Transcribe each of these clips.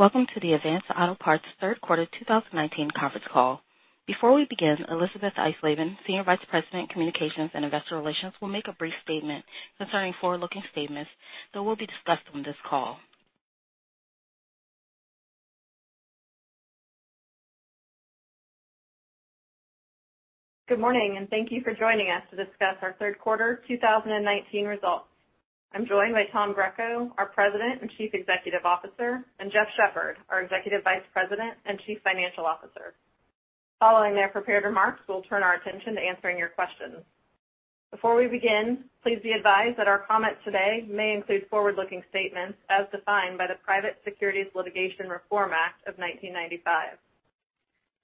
Welcome to the Advance Auto Parts third quarter 2019 conference call. Before we begin, Elisabeth Eisleben, Senior Vice President, Communications and Investor Relations, will make a brief statement concerning forward-looking statements that will be discussed on this call. Good morning, and thank you for joining us to discuss our third quarter 2019 results. I'm joined by Tom Greco, our President and Chief Executive Officer, and Jeff Shepherd, our Executive Vice President and Chief Financial Officer. Following their prepared remarks, we'll turn our attention to answering your questions. Before we begin, please be advised that our comments today may include forward-looking statements as defined by the Private Securities Litigation Reform Act of 1995.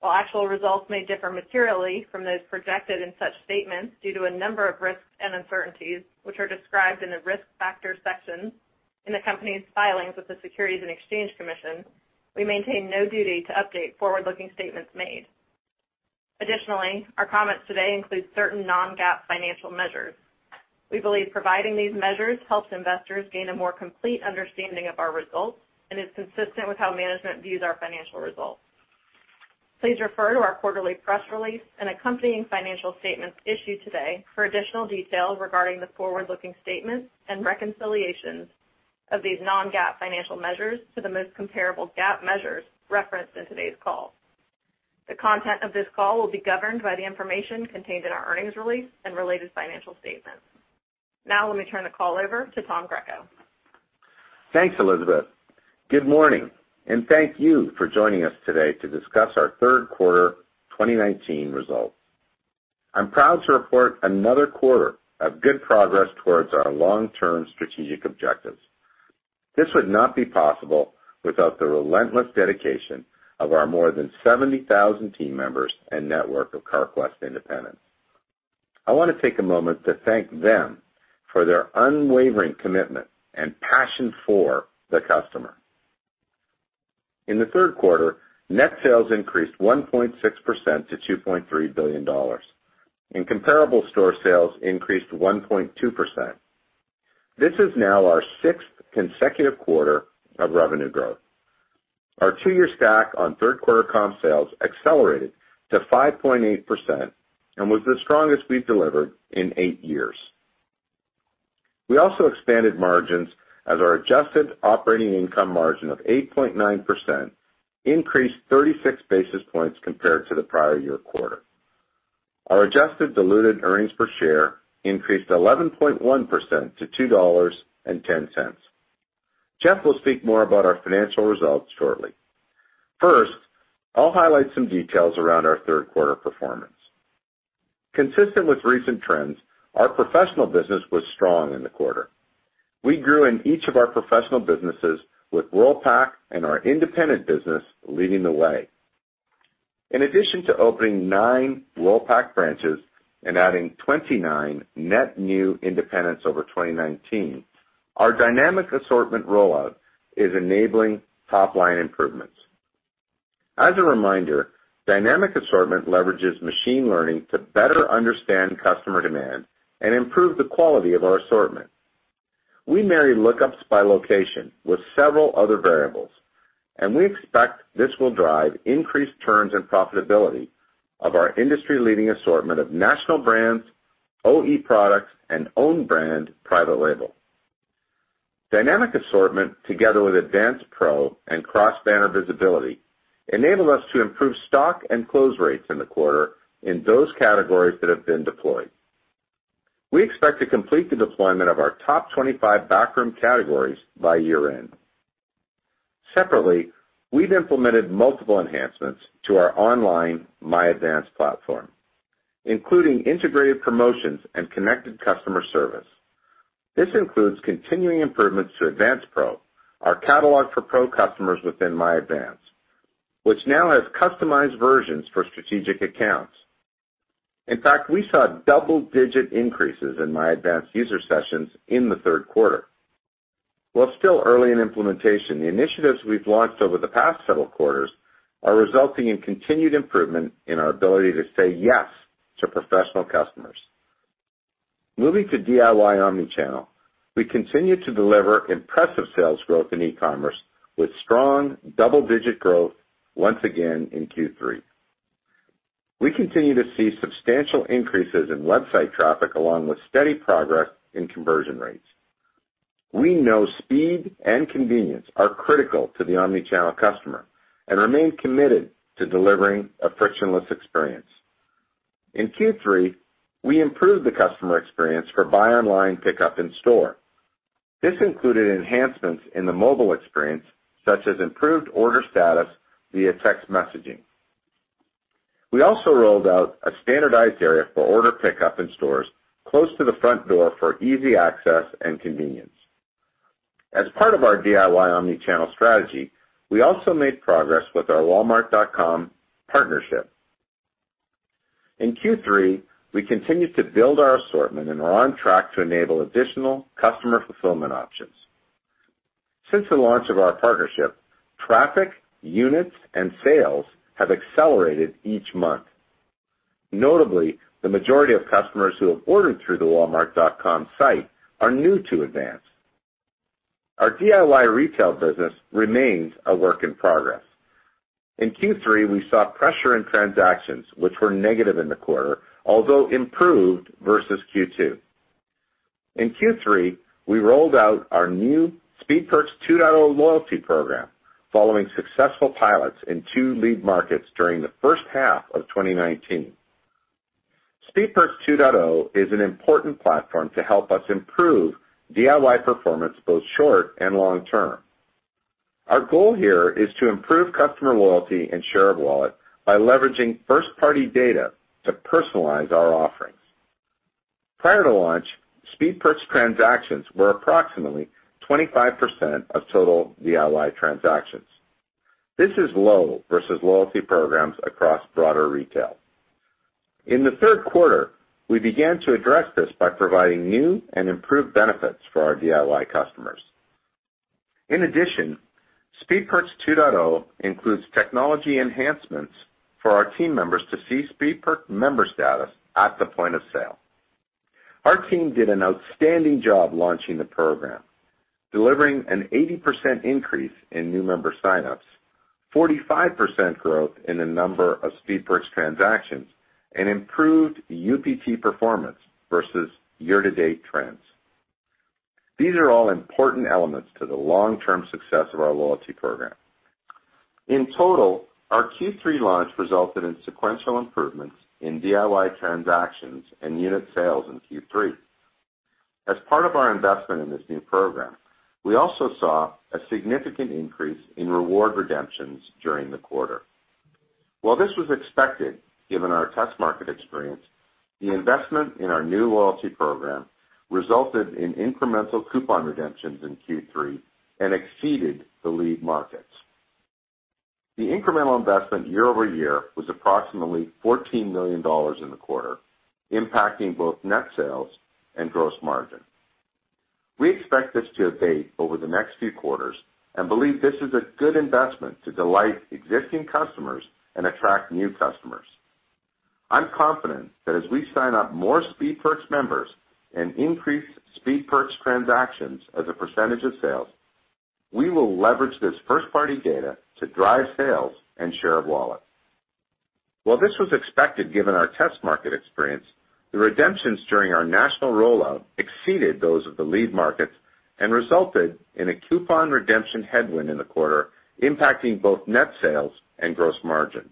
While actual results may differ materially from those projected in such statements due to a number of risks and uncertainties, which are described in the Risk Factors section in the company's filings with the Securities and Exchange Commission, we maintain no duty to update forward-looking statements made. Additionally, our comments today include certain non-GAAP financial measures. We believe providing these measures helps investors gain a more complete understanding of our results and is consistent with how management views our financial results. Please refer to our quarterly press release and accompanying financial statements issued today for additional details regarding the forward-looking statements and reconciliations of these non-GAAP financial measures to the most comparable GAAP measures referenced in today's call. The content of this call will be governed by the information contained in our earnings release and related financial statements. Now, let me turn the call over to Tom Greco. Thanks, Elisabeth. Good morning, thank you for joining us today to discuss our third quarter 2019 results. I'm proud to report another quarter of good progress towards our long-term strategic objectives. This would not be possible without the relentless dedication of our more than 70,000 team members and network of Carquest independents. I want to take a moment to thank them for their unwavering commitment and passion for the customer. In the third quarter, net sales increased 1.6% to $2.3 billion, and comparable store sales increased 1.2%. This is now our sixth consecutive quarter of revenue growth. Our two-year stack on third quarter comp sales accelerated to 5.8% and was the strongest we've delivered in eight years. We also expanded margins as our adjusted operating income margin of 8.9% increased 36 basis points compared to the prior year quarter. Our adjusted diluted earnings per share increased 11.1% to $2.10. Jeff will speak more about our financial results shortly. First, I'll highlight some details around our third quarter performance. Consistent with recent trends, our professional business was strong in the quarter. We grew in each of our professional businesses with Worldpac and our independent business leading the way. In addition to opening nine Worldpac branches and adding 29 net new independents over 2019, our Dynamic Assortment rollout is enabling top-line improvements. As a reminder, Dynamic Assortment leverages machine learning to better understand customer demand and improve the quality of our assortment. We marry lookups by location with several other variables, and we expect this will drive increased turns and profitability of our industry-leading assortment of national brands, OE products, and own brand private label. Dynamic Assortment, together with Advance Pro and cross-banner visibility, enabled us to improve stock and close rates in the quarter in those categories that have been deployed. We expect to complete the deployment of our top 25 backroom categories by year-end. Separately, we've implemented multiple enhancements to our online MyAdvance platform, including integrated promotions and connected customer service. This includes continuing improvements to Advance Pro, our catalog for pro customers within MyAdvance, which now has customized versions for strategic accounts. In fact, we saw double-digit increases in MyAdvance user sessions in the third quarter. While it's still early in implementation, the initiatives we've launched over the past several quarters are resulting in continued improvement in our ability to say yes to professional customers. Moving to DIY omni-channel, we continue to deliver impressive sales growth in e-commerce with strong double-digit growth once again in Q3. We continue to see substantial increases in website traffic along with steady progress in conversion rates. We know speed and convenience are critical to the omni-channel customer and remain committed to delivering a frictionless experience. In Q3, we improved the customer experience for buy online, pickup in store. This included enhancements in the mobile experience, such as improved order status via text messaging. We also rolled out a standardized area for order pickup in stores close to the front door for easy access and convenience. As part of our DIY omni-channel strategy, we also made progress with our Walmart.com partnership. In Q3, we continued to build our assortment and are on track to enable additional customer fulfillment options. Since the launch of our partnership, traffic, units, and sales have accelerated each month. Notably, the majority of customers who have ordered through the Walmart.com site are new to Advance. Our DIY retail business remains a work in progress. In Q3, we saw pressure in transactions which were negative in the quarter, although improved versus Q2. In Q3, we rolled out our new Speed Perks 2.0 loyalty program, following successful pilots in two lead markets during the first half of 2019. Speed Perks 2.0 is an important platform to help us improve DIY performance, both short and long term. Our goal here is to improve customer loyalty and share of wallet by leveraging first-party data to personalize our offerings. Prior to launch, Speed Perks transactions were approximately 25% of total DIY transactions. This is low versus loyalty programs across broader retail. In the third quarter, we began to address this by providing new and improved benefits for our DIY customers. In addition, Speed Perks 2.0 includes technology enhancements for our team members to see Speed Perks member status at the point of sale. Our team did an outstanding job launching the program, delivering an 80% increase in new member sign-ups, 45% growth in the number of Speed Perks transactions, and improved UPT performance versus year-to-date trends. These are all important elements to the long-term success of our loyalty program. In total, our Q3 launch resulted in sequential improvements in DIY transactions and unit sales in Q3. As part of our investment in this new program, we also saw a significant increase in reward redemptions during the quarter. While this was expected, given our test market experience, the investment in our new loyalty program resulted in incremental coupon redemptions in Q3 and exceeded the lead markets. The incremental investment year-over-year was approximately $14 million in the quarter, impacting both net sales and gross margin. We expect this to abate over the next few quarters and believe this is a good investment to delight existing customers and attract new customers. I'm confident that as we sign up more Speed Perks members and increase Speed Perks transactions as a percentage of sales, we will leverage this first-party data to drive sales and share of wallet. While this was expected given our test market experience, the redemptions during our national rollout exceeded those of the lead markets and resulted in a coupon redemption headwind in the quarter, impacting both net sales and gross margin.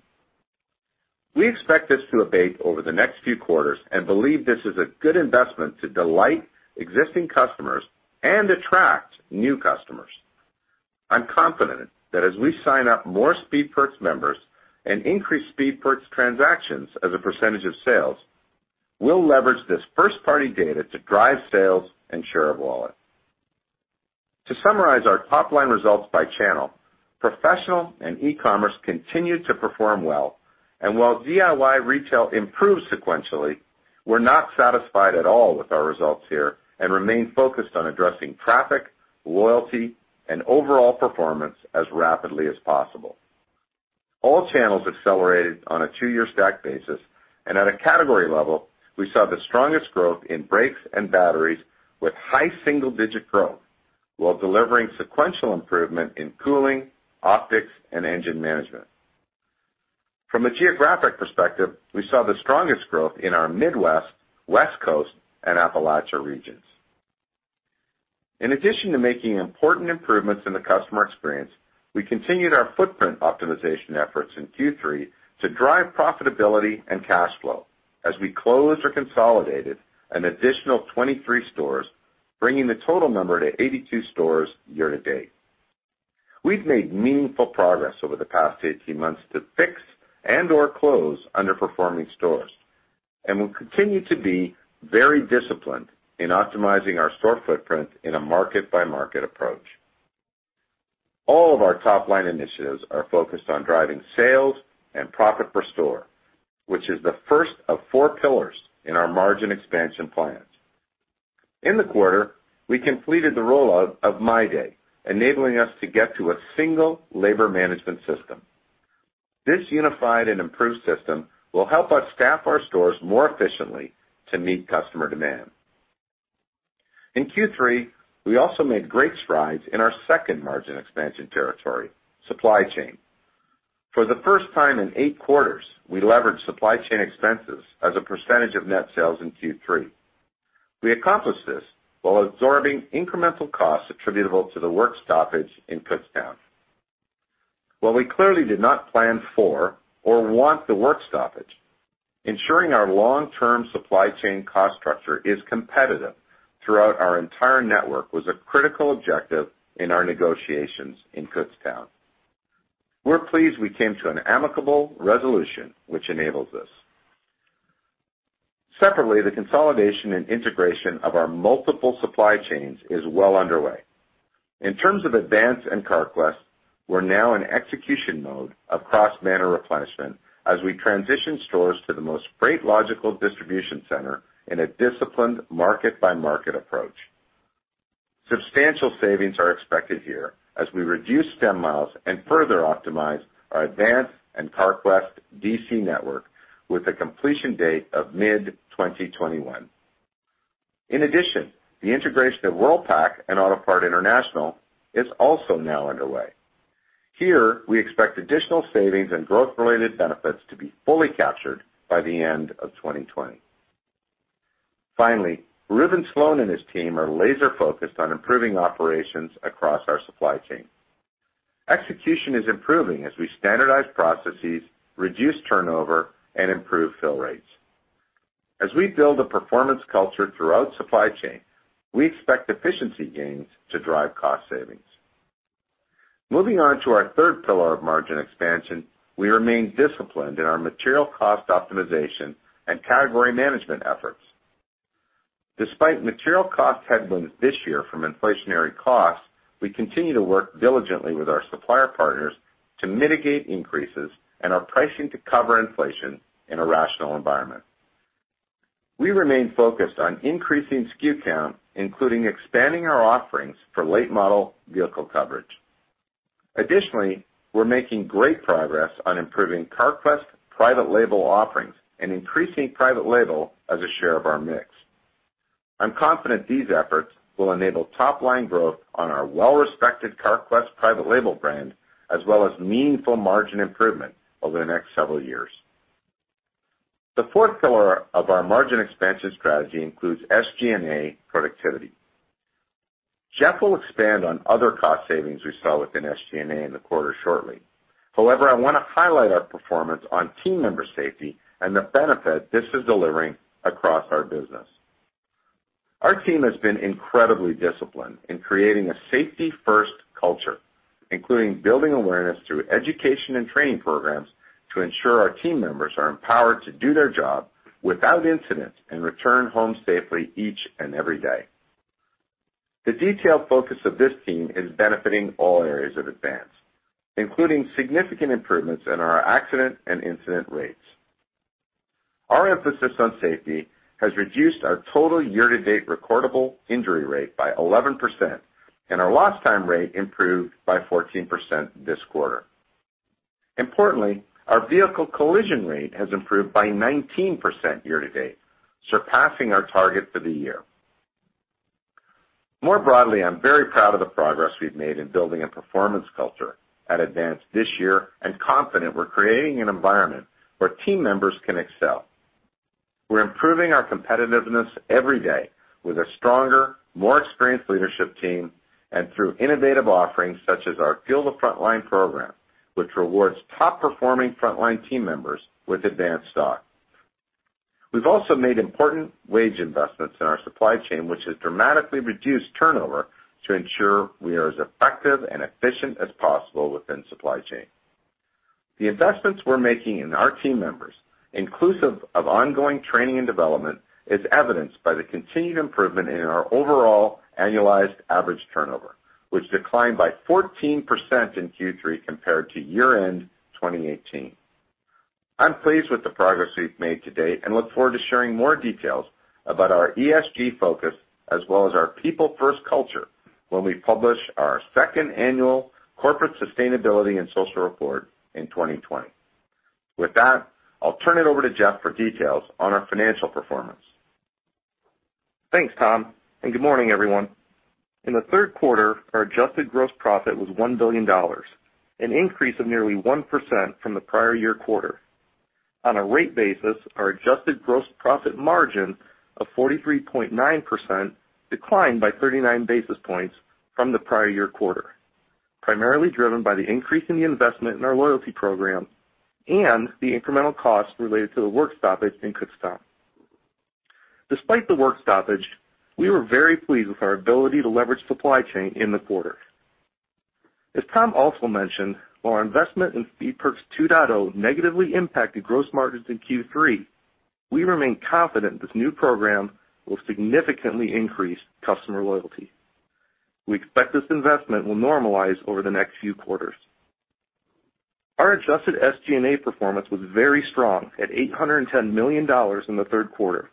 We expect this to abate over the next few quarters and believe this is a good investment to delight existing customers and attract new customers. I'm confident that as we sign up more Speed Perks members and increase Speed Perks transactions as a percentage of sales, we'll leverage this first-party data to drive sales and share of wallet. To summarize our top-line results by channel, professional and e-commerce continued to perform well. While DIY retail improved sequentially, we're not satisfied at all with our results here and remain focused on addressing traffic, loyalty, and overall performance as rapidly as possible. All channels accelerated on a two-year stack basis, and at a category level, we saw the strongest growth in brakes and batteries with high single-digit growth while delivering sequential improvement in cooling, optics, and engine management. From a geographic perspective, we saw the strongest growth in our Midwest, West Coast, and Appalachia regions. In addition to making important improvements in the customer experience, we continued our footprint optimization efforts in Q3 to drive profitability and cash flow as we closed or consolidated an additional 23 stores, bringing the total number to 82 stores year to date. We've made meaningful progress over the past 18 months to fix and/or close underperforming stores, we'll continue to be very disciplined in optimizing our store footprint in a market-by-market approach. All of our top-line initiatives are focused on driving sales and profit per store, which is the first of four pillars in our margin expansion plans. In the quarter, we completed the rollout of MyDay, enabling us to get to a single labor management system. This unified and improved system will help us staff our stores more efficiently to meet customer demand. In Q3, we also made great strides in our second margin expansion territory, supply chain. For the first time in eight quarters, we leveraged supply chain expenses as a percentage of net sales in Q3. We accomplished this while absorbing incremental costs attributable to the work stoppage in Kutztown. While we clearly did not plan for or want the work stoppage, ensuring our long-term supply chain cost structure is competitive throughout our entire network was a critical objective in our negotiations in Kutztown. We're pleased we came to an amicable resolution which enables this. Separately, the consolidation and integration of our multiple supply chains is well underway. In terms of Advance and Carquest, we're now in execution mode of cross-banner replenishment as we transition stores to the most freight logical distribution center in a disciplined market-by-market approach. Substantial savings are expected here as we reduce stem miles and further optimize our Advance and Carquest DC network with a completion date of mid-2021. In addition, the integration of Worldpac and Autopart International is also now underway. Here, we expect additional savings and growth-related benefits to be fully captured by the end of 2020. Finally, Reuben Slone and his team are laser-focused on improving operations across our supply chain. Execution is improving as we standardize processes, reduce turnover, and improve fill rates. As we build a performance culture throughout supply chain, we expect efficiency gains to drive cost savings. Moving on to our third pillar of margin expansion, we remain disciplined in our material cost optimization and category management efforts. Despite material cost headwinds this year from inflationary costs, we continue to work diligently with our supplier partners to mitigate increases and are pricing to cover inflation in a rational environment. We remain focused on increasing SKU count, including expanding our offerings for late model vehicle coverage. Additionally, we're making great progress on improving Carquest private label offerings and increasing private label as a share of our mix. I'm confident these efforts will enable top-line growth on our well-respected Carquest private label brand, as well as meaningful margin improvement over the next several years. The fourth pillar of our margin expansion strategy includes SG&A productivity. Jeff will expand on other cost savings we saw within SG&A in the quarter shortly. However, I want to highlight our performance on team member safety and the benefit this is delivering across our business. Our team has been incredibly disciplined in creating a safety-first culture, including building awareness through education and training programs to ensure our team members are empowered to do their job without incident and return home safely each and every day. The detailed focus of this team is benefiting all areas of Advance, including significant improvements in our accident and incident rates. Our emphasis on safety has reduced our total year-to-date recordable injury rate by 11%, and our lost time rate improved by 14% this quarter. Importantly, our vehicle collision rate has improved by 19% year-to-date, surpassing our target for the year. More broadly, I'm very proud of the progress we've made in building a performance culture at Advance this year and confident we're creating an environment where team members can excel. We're improving our competitiveness every day with a stronger, more experienced leadership team and through innovative offerings such as our Fuel the Frontline program, which rewards top-performing frontline team members with Advance stock. We've also made important wage investments in our supply chain, which has dramatically reduced turnover to ensure we are as effective and efficient as possible within supply chain. The investments we're making in our team members, inclusive of ongoing training and development, is evidenced by the continued improvement in our overall annualized average turnover, which declined by 14% in Q3 compared to year-end 2018. I'm pleased with the progress we've made to date and look forward to sharing more details about our ESG focus as well as our people-first culture when we publish our second annual Corporate Sustainability and Social Report in 2020. With that, I'll turn it over to Jeff for details on our financial performance. Thanks, Tom, and good morning, everyone. In the third quarter, our adjusted gross profit was $1 billion, an increase of nearly 1% from the prior year quarter. On a rate basis, our adjusted gross profit margin of 43.9% declined by 39 basis points from the prior year quarter, primarily driven by the increase in the investment in our loyalty program and the incremental cost related to the work stoppage in Kutztown. Despite the work stoppage, we were very pleased with our ability to leverage supply chain in the quarter. As Tom also mentioned, while our investment in Speed Perks 2.0 negatively impacted gross margins in Q3, we remain confident this new program will significantly increase customer loyalty. We expect this investment will normalize over the next few quarters. Our adjusted SG&A performance was very strong at $810 million in the third quarter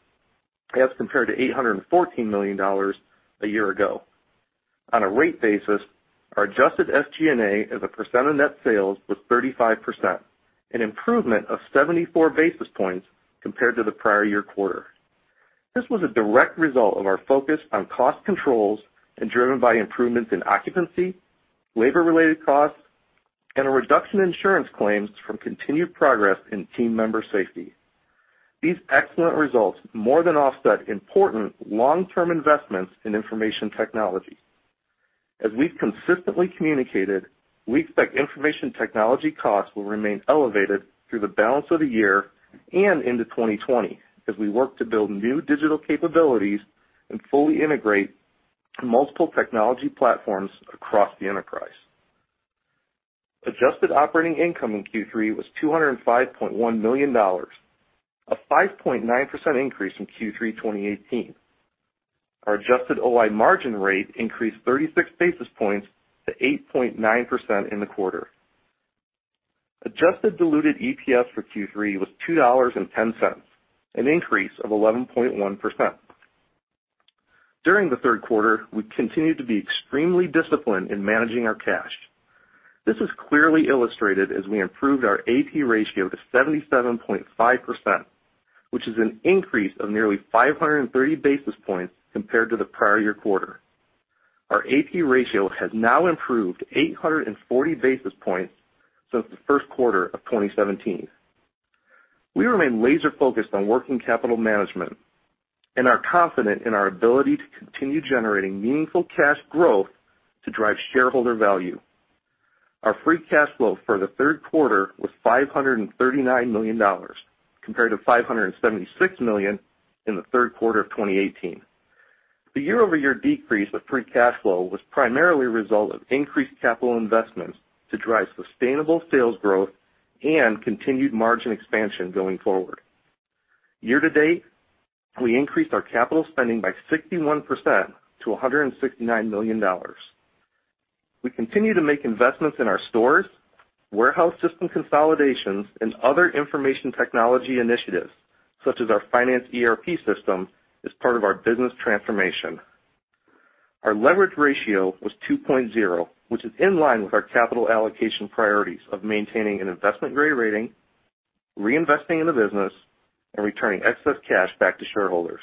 as compared to $814 million a year ago. On a rate basis, our adjusted SG&A as a percent of net sales was 35%, an improvement of 74 basis points compared to the prior year quarter. This was a direct result of our focus on cost controls and driven by improvements in occupancy, labor-related costs, and a reduction in insurance claims from continued progress in team member safety. These excellent results more than offset important long-term investments in information technology. As we've consistently communicated, we expect information technology costs will remain elevated through the balance of the year and into 2020 as we work to build new digital capabilities and fully integrate multiple technology platforms across the enterprise. Adjusted operating income in Q3 was $205.1 million, a 5.9% increase from Q3 2018. Our adjusted OI margin rate increased 36 basis points to 8.9% in the quarter. Adjusted diluted EPS for Q3 was $2.10, an increase of 11.1%. During the third quarter, we continued to be extremely disciplined in managing our cash. This is clearly illustrated as we improved our AP ratio to 77.5%, which is an increase of nearly 530 basis points compared to the prior year quarter. Our AP ratio has now improved 840 basis points since the first quarter of 2017. We remain laser-focused on working capital management and are confident in our ability to continue generating meaningful cash growth to drive shareholder value. Our free cash flow for the third quarter was $539 million, compared to $576 million in the third quarter of 2018. The year-over-year decrease of free cash flow was primarily a result of increased capital investments to drive sustainable sales growth and continued margin expansion going forward. Year to date, we increased our capital spending by 61% to $169 million. We continue to make investments in our stores, warehouse system consolidations, and other information technology initiatives, such as our finance ERP system, as part of our business transformation. Our leverage ratio was 2.0, which is in line with our capital allocation priorities of maintaining an investment-grade rating, reinvesting in the business, and returning excess cash back to shareholders.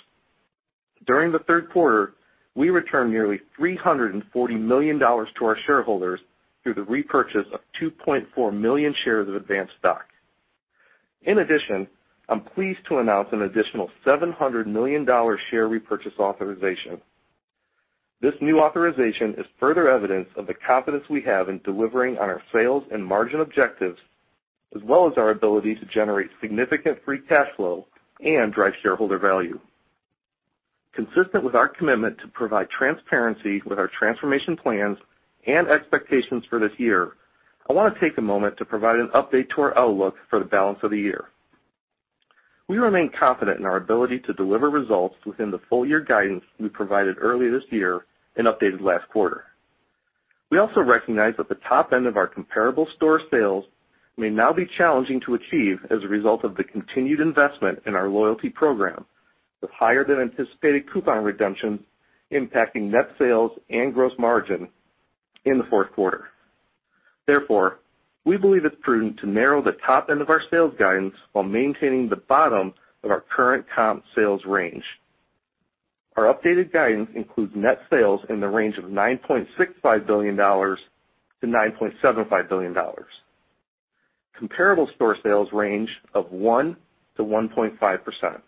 During the third quarter, we returned nearly $340 million to our shareholders through the repurchase of 2.4 million shares of Advance stock. In addition, I'm pleased to announce an additional $700 million share repurchase authorization. This new authorization is further evidence of the confidence we have in delivering on our sales and margin objectives, as well as our ability to generate significant free cash flow and drive shareholder value. Consistent with our commitment to provide transparency with our transformation plans and expectations for this year, I want to take a moment to provide an update to our outlook for the balance of the year. We remain confident in our ability to deliver results within the full-year guidance we provided early this year and updated last quarter. We also recognize that the top end of our comparable store sales may now be challenging to achieve as a result of the continued investment in our loyalty program, with higher than anticipated coupon redemptions impacting net sales and gross margin in the fourth quarter. Therefore, we believe it's prudent to narrow the top end of our sales guidance while maintaining the bottom of our current comp sales range. Our updated guidance includes net sales in the range of $9.65 billion-$9.75 billion. Comparable store sales range of 1%-1.5%.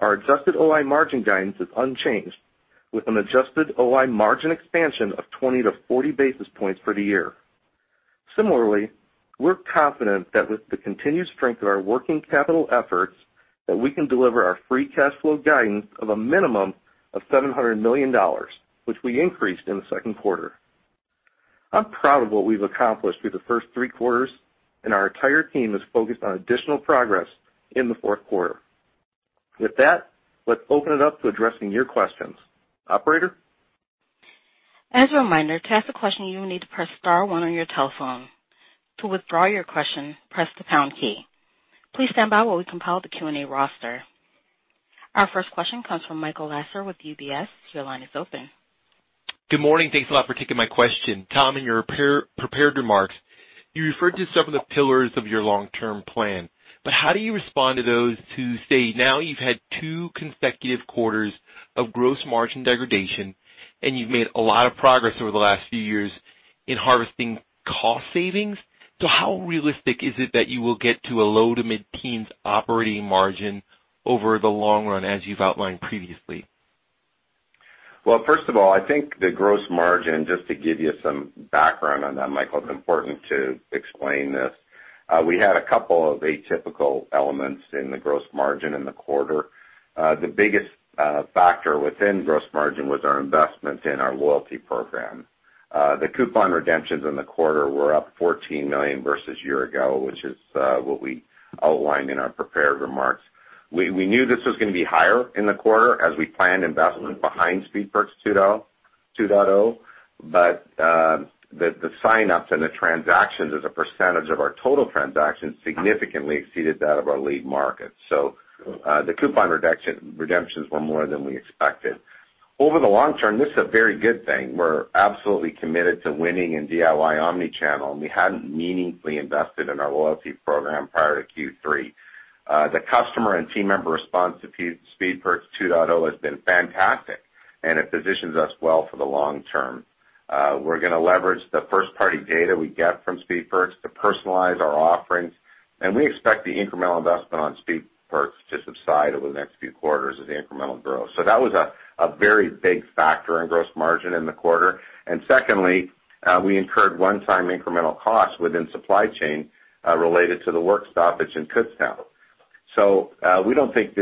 Our adjusted OI margin guidance is unchanged with an adjusted OI margin expansion of 20-40 basis points for the year. Similarly, we're confident that with the continued strength of our working capital efforts that we can deliver our free cash flow guidance of a minimum of $700 million, which we increased in the second quarter. I'm proud of what we've accomplished through the first three quarters, and our entire team is focused on additional progress in the fourth quarter. With that, let's open it up to addressing your questions. Operator? As a reminder, to ask a question, you will need to press star one on your telephone. To withdraw your question, press the pound key. Please stand by while we compile the Q&A roster. Our first question comes from Michael Lasser with UBS. Your line is open. Good morning. Thanks a lot for taking my question. Tom, in your prepared remarks, you referred to some of the pillars of your long-term plan. How do you respond to those who say now you've had two consecutive quarters of gross margin degradation and you've made a lot of progress over the last few years in harvesting cost savings, so how realistic is it that you will get to a low to mid-teens operating margin over the long run as you've outlined previously? Well, first of all, I think the gross margin, just to give you some background on that, Michael, it's important to explain this. We had a couple of atypical elements in the gross margin in the quarter. The biggest factor within gross margin was our investment in our loyalty program. The coupon redemptions in the quarter were up $14 million versus year ago, which is what we outlined in our prepared remarks. We knew this was gonna be higher in the quarter as we planned investment behind Speed Perks 2.0. The sign-ups and the transactions as a percentage of our total transactions significantly exceeded that of our lead market. The coupon redemptions were more than we expected. Over the long term, this is a very good thing. We're absolutely committed to winning in DIY omni-channel, and we hadn't meaningfully invested in our loyalty program prior to Q3. The customer and team member response to Speed Perks 2.0 has been fantastic, and it positions us well for the long term. We're gonna leverage the first-party data we get from Speed Perks to personalize our offerings, and we expect the incremental investment on Speed Perks to subside over the next few quarters as incremental growth. That was a very big factor in gross margin in the quarter. Secondly, we incurred one-time incremental costs within supply chain related to the work stoppage in Kutztown. We don't think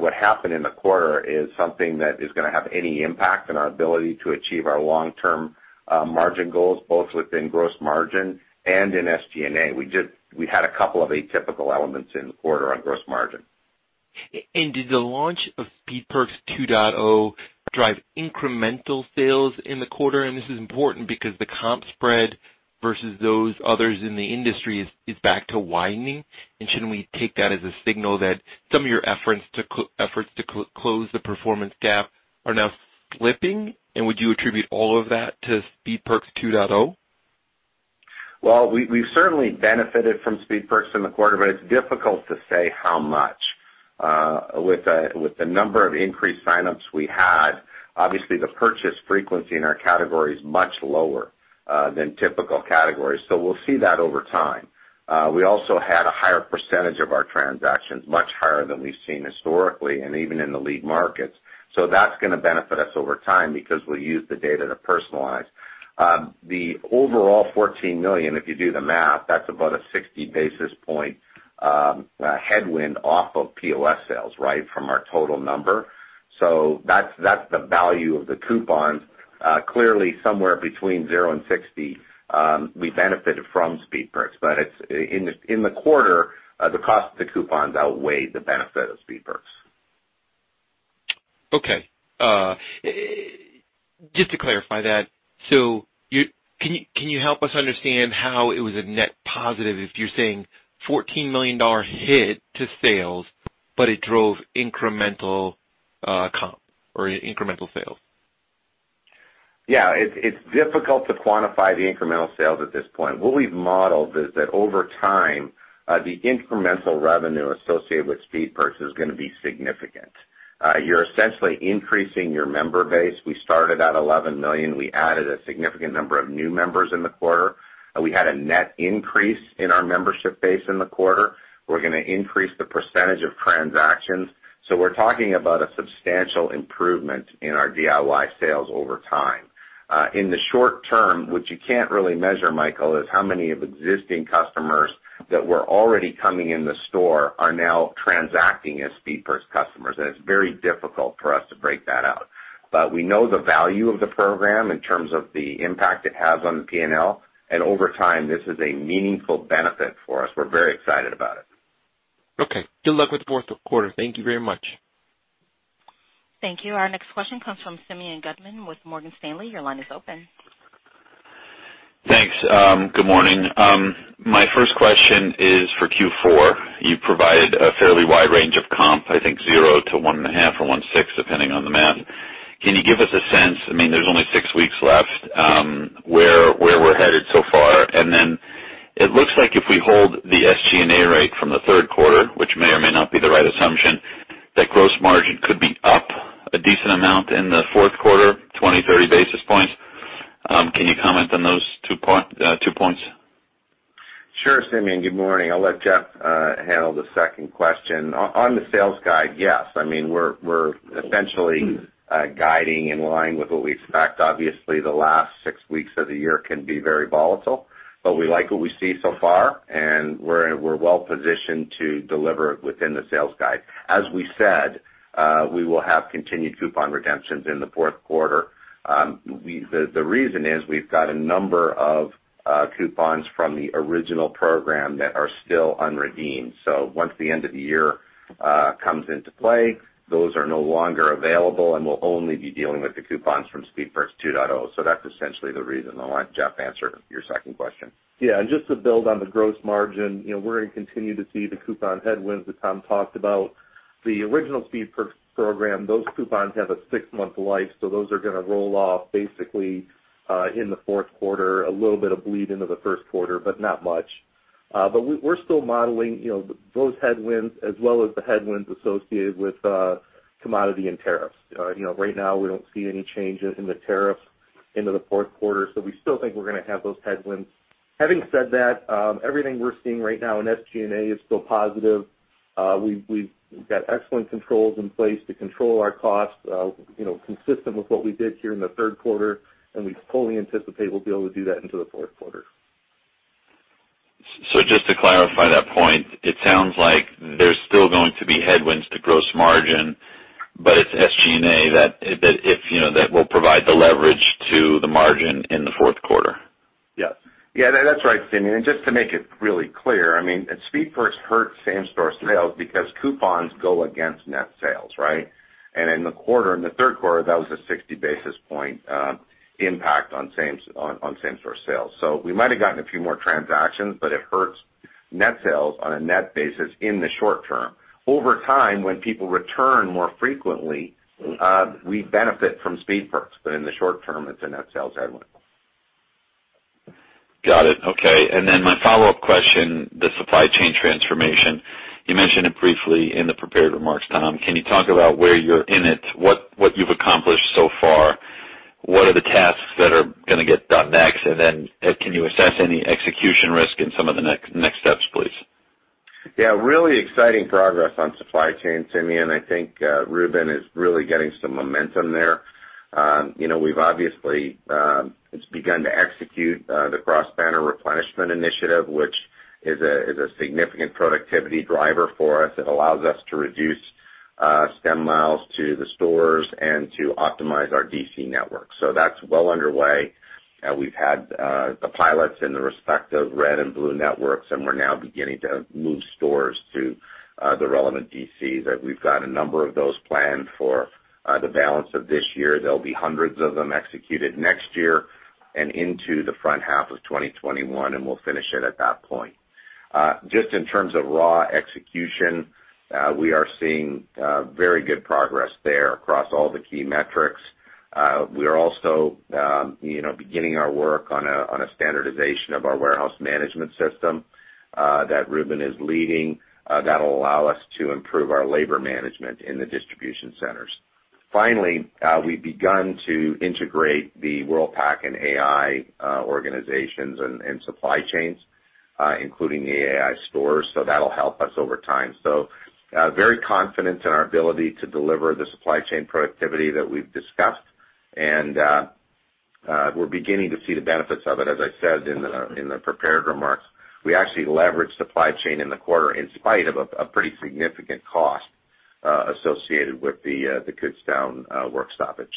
what happened in the quarter is something that is gonna have any impact on our ability to achieve our long-term margin goals, both within gross margin and in SG&A. We had a couple of atypical elements in the quarter on gross margin. Did the launch of Speed Perks 2.0 drive incremental sales in the quarter? This is important because the comp spread versus those others in the industry is back to widening. Should we take that as a signal that some of your efforts to close the performance gap are now slipping? Would you attribute all of that to Speed Perks 2.0? Well, we've certainly benefited from Speed Perks in the quarter, it's difficult to say how much. With the number of increased sign-ups we had, obviously, the purchase frequency in our category is much lower than typical categories. We'll see that over time. We also had a higher percentage of our transactions, much higher than we've seen historically and even in the lead markets. That's going to benefit us over time because we'll use the data to personalize. The overall $14 million, if you do the math, that's about a 60 basis points headwind off of POS sales from our total number. That's the value of the coupons. Clearly somewhere between zero and 60, we benefited from Speed Perks, in the quarter, the cost of the coupons outweighed the benefit of Speed Perks. Okay. Just to clarify that, can you help us understand how it was a net positive if you're saying $14 million hit to sales, but it drove incremental comp or incremental sales? Yeah, it's difficult to quantify the incremental sales at this point. What we've modeled is that over time, the incremental revenue associated with Speed Perks is going to be significant. You're essentially increasing your member base. We started at 11 million. We added a significant number of new members in the quarter. We had a net increase in our membership base in the quarter. We're going to increase the percentage of transactions. We're talking about a substantial improvement in our DIY sales over time. In the short term, what you can't really measure, Michael, is how many of existing customers that were already coming in the store are now transacting as Speed Perks customers, and it's very difficult for us to break that out. We know the value of the program in terms of the impact it has on the P&L, and over time, this is a meaningful benefit for us. We're very excited about it. Okay. Good luck with the fourth quarter. Thank you very much. Thank you. Our next question comes from Simeon Gutman with Morgan Stanley. Your line is open. Thanks. Good morning. My first question is for Q4. You provided a fairly wide range of comp, I think 0 to 1.5 or 1.6, depending on the math. Can you give us a sense, there's only six weeks left, where we're headed so far? It looks like if we hold the SG&A rate from the third quarter, which may or may not be the right assumption, that gross margin could be up a decent amount in the fourth quarter, 20-30 basis points. Can you comment on those two points? Sure, Simeon. Good morning. I'll let Jeff handle the second question. On the sales guide, yes. We're essentially guiding in line with what we expect. Obviously, the last six weeks of the year can be very volatile, but we like what we see so far, and we're well-positioned to deliver within the sales guide. As we said, we will have continued coupon redemptions in the fourth quarter. The reason is we've got a number of coupons from the original program that are still unredeemed. Once the end of the year comes into play, those are no longer available and we'll only be dealing with the coupons from Speed Perks 2.0. That's essentially the reason. I'll let Jeff answer your second question. Just to build on the gross margin, we're going to continue to see the coupon headwinds that Tom talked about. The original Speed Perks program, those coupons have a six-month life, those are going to roll off basically in the fourth quarter, a little bit of bleed into the first quarter, but not much. We're still modeling those headwinds as well as the headwinds associated with commodity and tariffs. Right now, we don't see any changes in the tariffs into the fourth quarter, we still think we're going to have those headwinds. Having said that, everything we're seeing right now in SG&A is still positive. We've got excellent controls in place to control our costs, consistent with what we did here in the third quarter, we fully anticipate we'll be able to do that into the fourth quarter. Just to clarify that point, it sounds like there's still going to be headwinds to gross margin, but it's SG&A that, if you know, that will provide the leverage to the margin in the fourth quarter. Yes. Yeah, that's right, Simeon. Just to make it really clear, Speed Perks hurt same-store sales because coupons go against net sales, right? In the quarter, in the third quarter, that was a 60 basis point impact on same-store sales. We might've gotten a few more transactions, but it hurts net sales on a net basis in the short term. Over time, when people return more frequently, we benefit from Speed Perks, but in the short term, it's a net sales headwind. Got it. Okay. My follow-up question, the supply chain transformation. You mentioned it briefly in the prepared remarks, Tom. Can you talk about where you're in it, what you've accomplished so far? What are the tasks that are going to get done next? Can you assess any execution risk in some of the next steps, please? Yeah. Really exciting progress on supply chain, Simeon. I think Reuben is really getting some momentum there. Obviously, it's begun to execute the Cross-Banner Replenishment Initiative, which is a significant productivity driver for us. It allows us to reduce stem miles to the stores and to optimize our DC network. That's well underway. We've had the pilots in the respective red and blue networks, and we're now beginning to move stores to the relevant DCs. We've got a number of those planned for the balance of this year. There'll be hundreds of them executed next year and into the front half of 2021, and we'll finish it at that point. Just in terms of raw execution, we are seeing very good progress there across all the key metrics. We are also beginning our work on a standardization of our warehouse management system that Reuben is leading. That'll allow us to improve our labor management in the distribution centers. Finally, we've begun to integrate the Worldpac and AI organizations and supply chains, including the AI stores. That'll help us over time. Very confident in our ability to deliver the supply chain productivity that we've discussed. We're beginning to see the benefits of it, as I said in the prepared remarks. We actually leveraged supply chain in the quarter in spite of a pretty significant cost associated with the Kutztown work stoppage.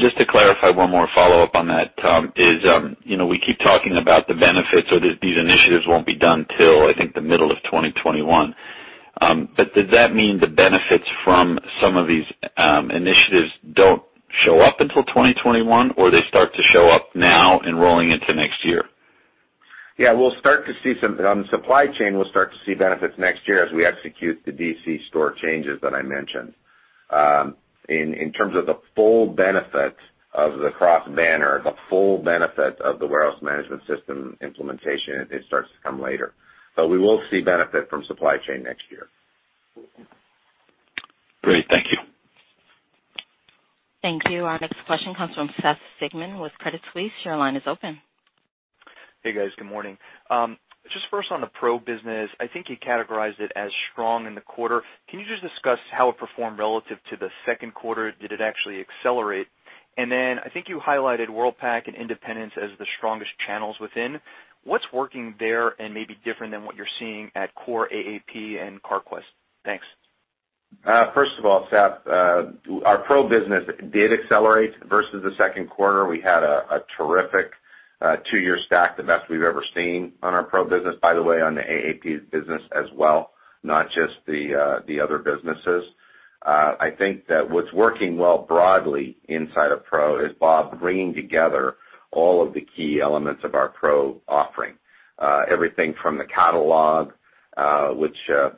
Just to clarify, one more follow-up on that, Tom, is we keep talking about the benefits or these initiatives won't be done till, I think, the middle of 2021. Does that mean the benefits from some of these initiatives don't show up until 2021, or they start to show up now and rolling into next year? Yeah, we'll start to see — on supply chain, we'll start to see benefits next year as we execute the DC store changes that I mentioned. In terms of the full benefit of the cross banner, the full benefit of the warehouse management system implementation, it starts to come later. We will see benefit from supply chain next year. Great. Thank you. Thank you. Our next question comes from Seth Sigman with Credit Suisse. Your line is open. Hey, guys. Good morning. Just first on the Pro business, I think you categorized it as strong in the quarter. Can you just discuss how it performed relative to the second quarter? Did it actually accelerate? Then I think you highlighted Worldpac and independents as the strongest channels within. What's working there and maybe different than what you're seeing at core AAP and Carquest? Thanks. First of all, Seth, our Pro business did accelerate versus the second quarter. We had a terrific two-year stack, the best we've ever seen on our Pro business, by the way, on the AAP business as well, not just the other businesses. I think that what's working well broadly inside of Pro is Bob bringing together all of the key elements of our Pro offering. Everything from the catalog, which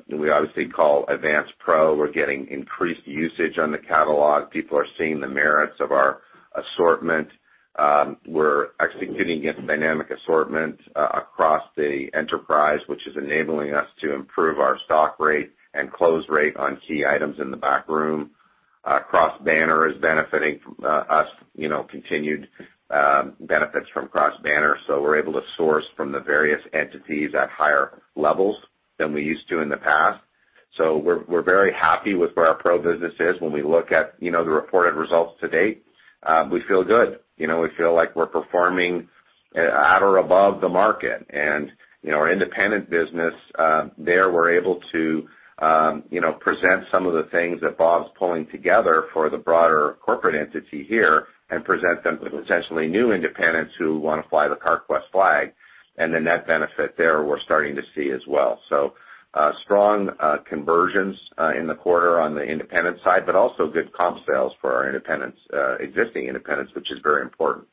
we obviously call Advance Pro. We're getting increased usage on the catalog. People are seeing the merits of our assortment. We're executing against Dynamic Assortment across the enterprise, which is enabling us to improve our stock rate and close rate on key items in the backroom. Cross banner is benefiting us, continued benefits from cross banner. We're able to source from the various entities at higher levels than we used to in the past. We're very happy with where our Pro business is. When we look at the reported results to date, we feel good. We feel like we're performing at or above the market. Our independent business, there, we're able to present some of the things that Bob's pulling together for the broader corporate entity here and present them to potentially new independents who want to fly the Carquest flag. The net benefit there we're starting to see as well. Strong conversions in the quarter on the Independent side, but also good comp sales for our existing independents, which is very important.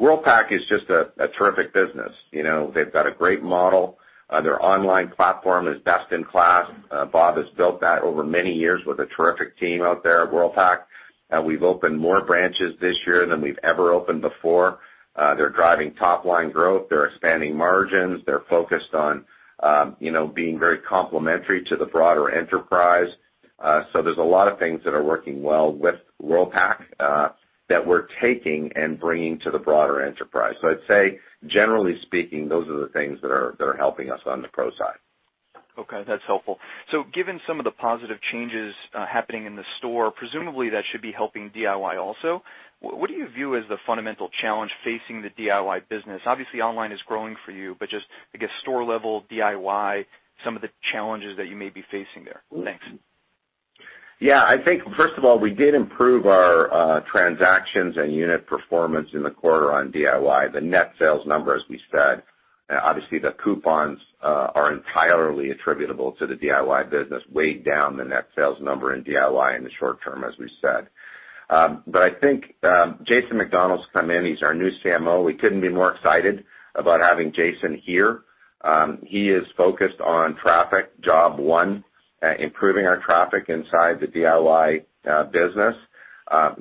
Worldpac is just a terrific business. They've got a great model. Their online platform is best in class. Bob has built that over many years with a terrific team out there at Worldpac. We've opened more branches this year than we've ever opened before. They're driving top-line growth. They're expanding margins. They're focused on being very complementary to the broader enterprise. There's a lot of things that are working well with Worldpac that we're taking and bringing to the broader enterprise. I'd say, generally speaking, those are the things that are helping us on the Pro side. Okay. That's helpful. Given some of the positive changes happening in the store, presumably that should be helping DIY also. What do you view as the fundamental challenge facing the DIY business? Obviously, online is growing for you, but just, I guess, store level DIY, some of the challenges that you may be facing there. Thanks. I think, first of all, we did improve our transactions and unit performance in the quarter on DIY. The net sales number, as we said, obviously the coupons are entirely attributable to the DIY business, weighed down the net sales number in DIY in the short term, as we said. I think Jason McDonell's come in. He's our new CMO. We couldn't be more excited about having Jason here. He is focused on traffic, job one, improving our traffic inside the DIY business.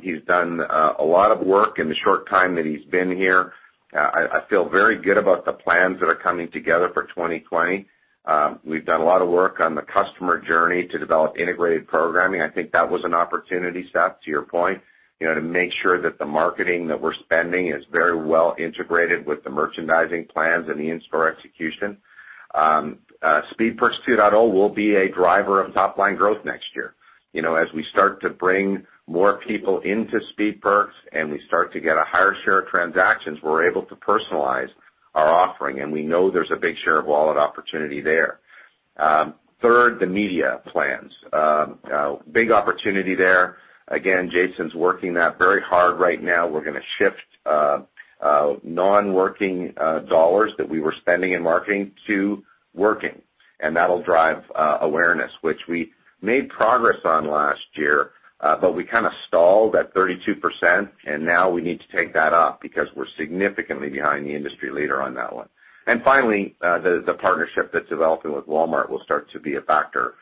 He's done a lot of work in the short time that he's been here. I feel very good about the plans that are coming together for 2020. We've done a lot of work on the customer journey to develop integrated programming. I think that was an opportunity, Seth, to your point, to make sure that the marketing that we're spending is very well integrated with the merchandising plans and the in-store execution. Speed Perks 2.0 will be a driver of top-line growth next year. As we start to bring more people into Speed Perks and we start to get a higher share of transactions, we're able to personalize our offering, and we know there's a big share of wallet opportunity there. Third, the media plans. Big opportunity there. Again, Jason's working that very hard right now. We're going to shift non-working dollars that we were spending in marketing to working, and that'll drive awareness, which we made progress on last year. We kind of stalled at 32%, and now we need to take that up because we're significantly behind the industry leader on that one. Finally, the partnership that's developing with Walmart will start to be a factor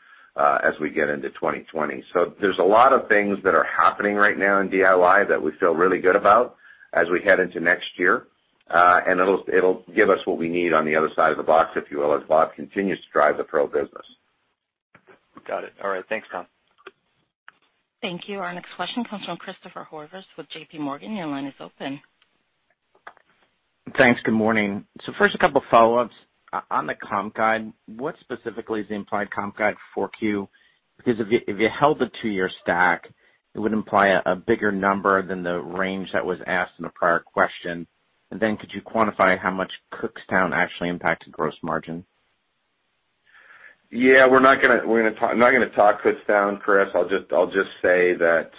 as we get into 2020. There's a lot of things that are happening right now in DIY that we feel really good about as we head into next year. It'll give us what we need on the other side of the box, if you will, as Bob continues to drive the Pro business. Got it. All right, thanks, Tom. Thank you. Our next question comes from Christopher Horvers with JPMorgan. Your line is open. Thanks. Good morning. First, a couple of follow-ups. On the comp guide, what specifically is the implied comp guide for 4Q? If you held the two-year stack, it would imply a bigger number than the range that was asked in the prior question. Could you quantify how much Kutztown actually impacted gross margin? Yeah, I'm not going to talk Kutztown, Chris. I'll just say that,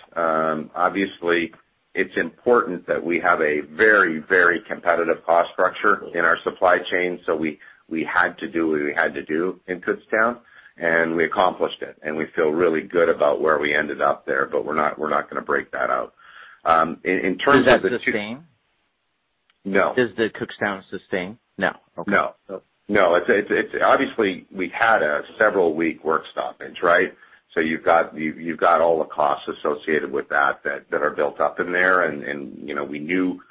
obviously, it's important that we have a very competitive cost structure in our supply chain. We had to do what we had to do in Kutztown, and we accomplished it. We feel really good about where we ended up there, but we're not going to break that out. Is that sustained? No. Is the Kutztown sustained? No. Okay. No. Obviously, we had a several week work stoppage, right? You've got all the costs associated with that that are built up in there, and we knew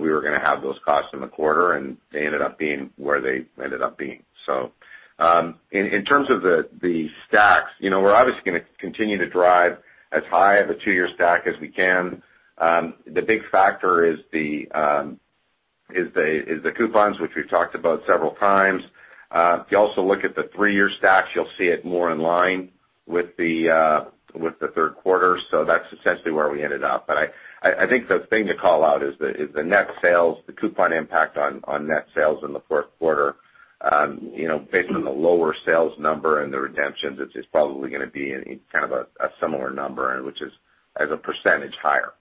we were going to have those costs in the quarter, and they ended up being where they ended up being. In terms of the stacks, we're obviously going to continue to drive as high of a two-year stack as we can. The big factor is the coupons, which we've talked about several times. If you also look at the three-year stacks, you'll see it more in line with the third quarter. That's essentially where we ended up. I think the thing to call out is the net sales, the coupon impact on net sales in the fourth quarter based on the lower sales number and the redemptions, it's just probably going to be kind of a similar number, which is as a percentage higher.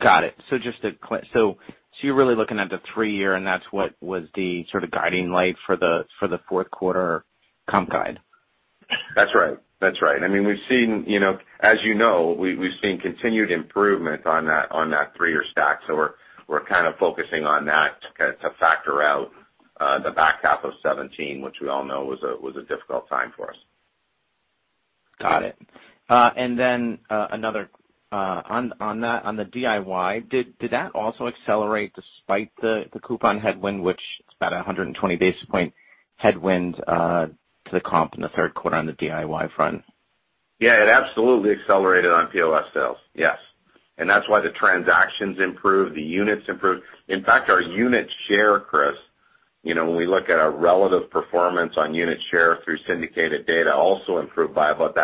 Got it. You're really looking at the three-year, and that's what was the sort of guiding light for the fourth quarter comp guide? That's right. As you know, we've seen continued improvement on that three-year stack. We're kind of focusing on that to factor out the back half of 2017, which we all know was a difficult time for us. Got it. Another on the DIY, did that also accelerate despite the coupon headwind, which is about 120 basis point headwind to the comp in the third quarter on the DIY front? Yeah, it absolutely accelerated on POS sales. Yes. That's why the transactions improved, the units improved. In fact, our unit share, Chris, when we look at our relative performance on unit share through syndicated data, also improved by about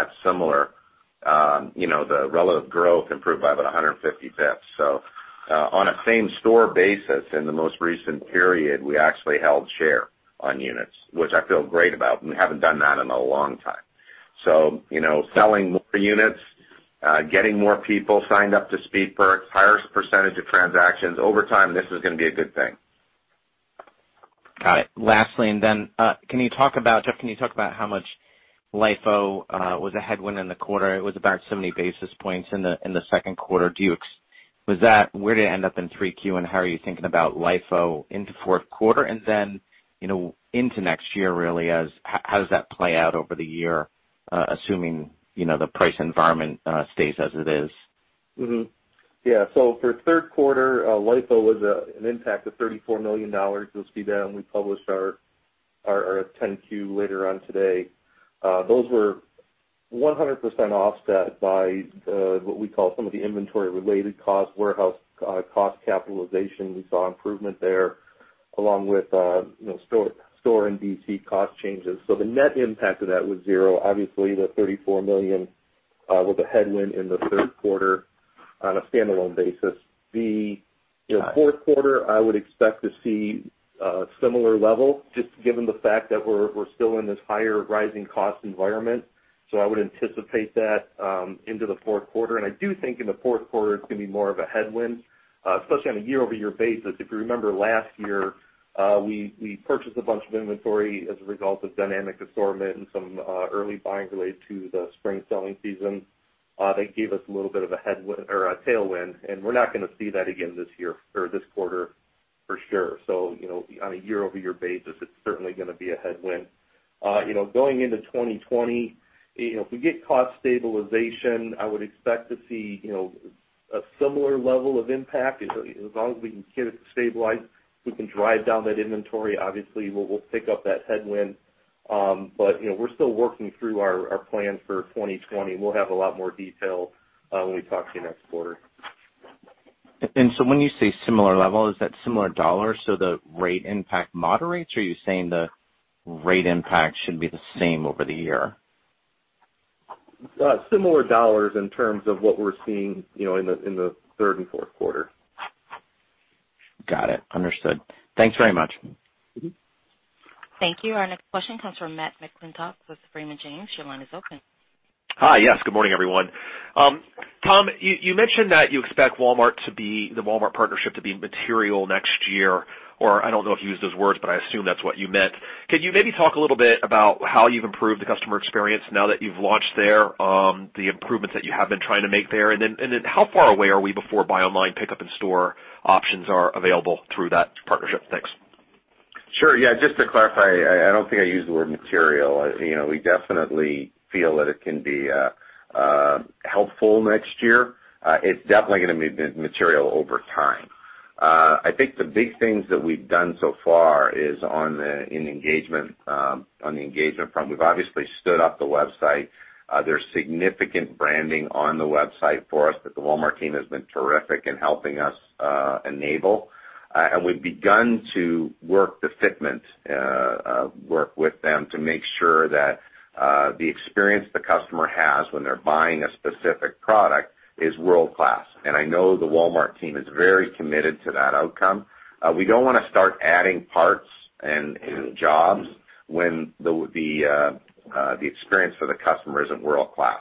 the relative growth improved by about 150 basis points. On a same store basis in the most recent period, we actually held share on units, which I feel great about, and we haven't done that in a long time. You know, selling more units, getting more people signed up to Speed Perks, higher percentage of transactions, over time this is going to be a good thing. Got it. Lastly, Jeff, can you talk about how much LIFO was a headwind in the quarter? It was about 70 basis points in the second quarter. Where did it end up in 3Q, and how are you thinking about LIFO into fourth quarter? Into next year, really, how does that play out over the year, assuming the price environment stays as it is? Yeah. For third quarter, LIFO was an impact of $34 million. You'll see that when we publish our 10-Q later on today. Those were 100% offset by what we call some of the inventory-related costs, warehouse cost capitalization. We saw improvement there, along with store and DC cost changes. The net impact of that was zero. Obviously, the $34 million was a headwind in the third quarter on a standalone basis. The fourth quarter, I would expect to see a similar level, just given the fact that we're still in this higher rising cost environment. I would anticipate that into the fourth quarter. I do think in the fourth quarter, it's going to be more of a headwind, especially on a year-over-year basis. If you remember last year, we purchased a bunch of inventory as a result of Dynamic Assortment and some early buying related to the spring selling season. That gave us a little bit of a headwind or a tailwind, we're not going to see that again this year or this quarter for sure. On a year-over-year basis, it's certainly going to be a headwind. Going into 2020, if we get cost stabilization, I would expect to see a similar level of impact. As long as we can get it to stabilize, we can drive down that inventory. Obviously, we'll pick up that headwind. We're still working through our plan for 2020, and we'll have a lot more detail when we talk to you next quarter. When you say similar level, is that similar dollars, so the rate impact moderates, or are you saying the rate impact should be the same over the year? Similar dollars in terms of what we're seeing in the third and fourth quarter. Got it. Understood. Thanks very much. Thank you. Our next question comes from Matt McClintock with Raymond James. Your line is open. Hi. Yes, good morning, everyone. Tom, you mentioned that you expect the Walmart partnership to be material next year, or I don't know if you used those words, but I assume that's what you meant. Could you maybe talk a little bit about how you've improved the customer experience now that you've launched there, the improvements that you have been trying to make there, how far away are we before buy online pickup in-store options are available through that partnership? Thanks. Sure. Yeah. Just to clarify, I don't think I used the word material. We definitely feel that it can be helpful next year. It's definitely going to be material over time. I think the big things that we've done so far is on the engagement front. We've obviously stood up the website. There's significant branding on the website for us that the Walmart team has been terrific in helping us enable. We've begun to work the fitment, work with them to make sure that the experience the customer has when they're buying a specific product is world-class, and I know the Walmart team is very committed to that outcome. We don't want to start adding parts and jobs when the experience for the customer isn't world-class.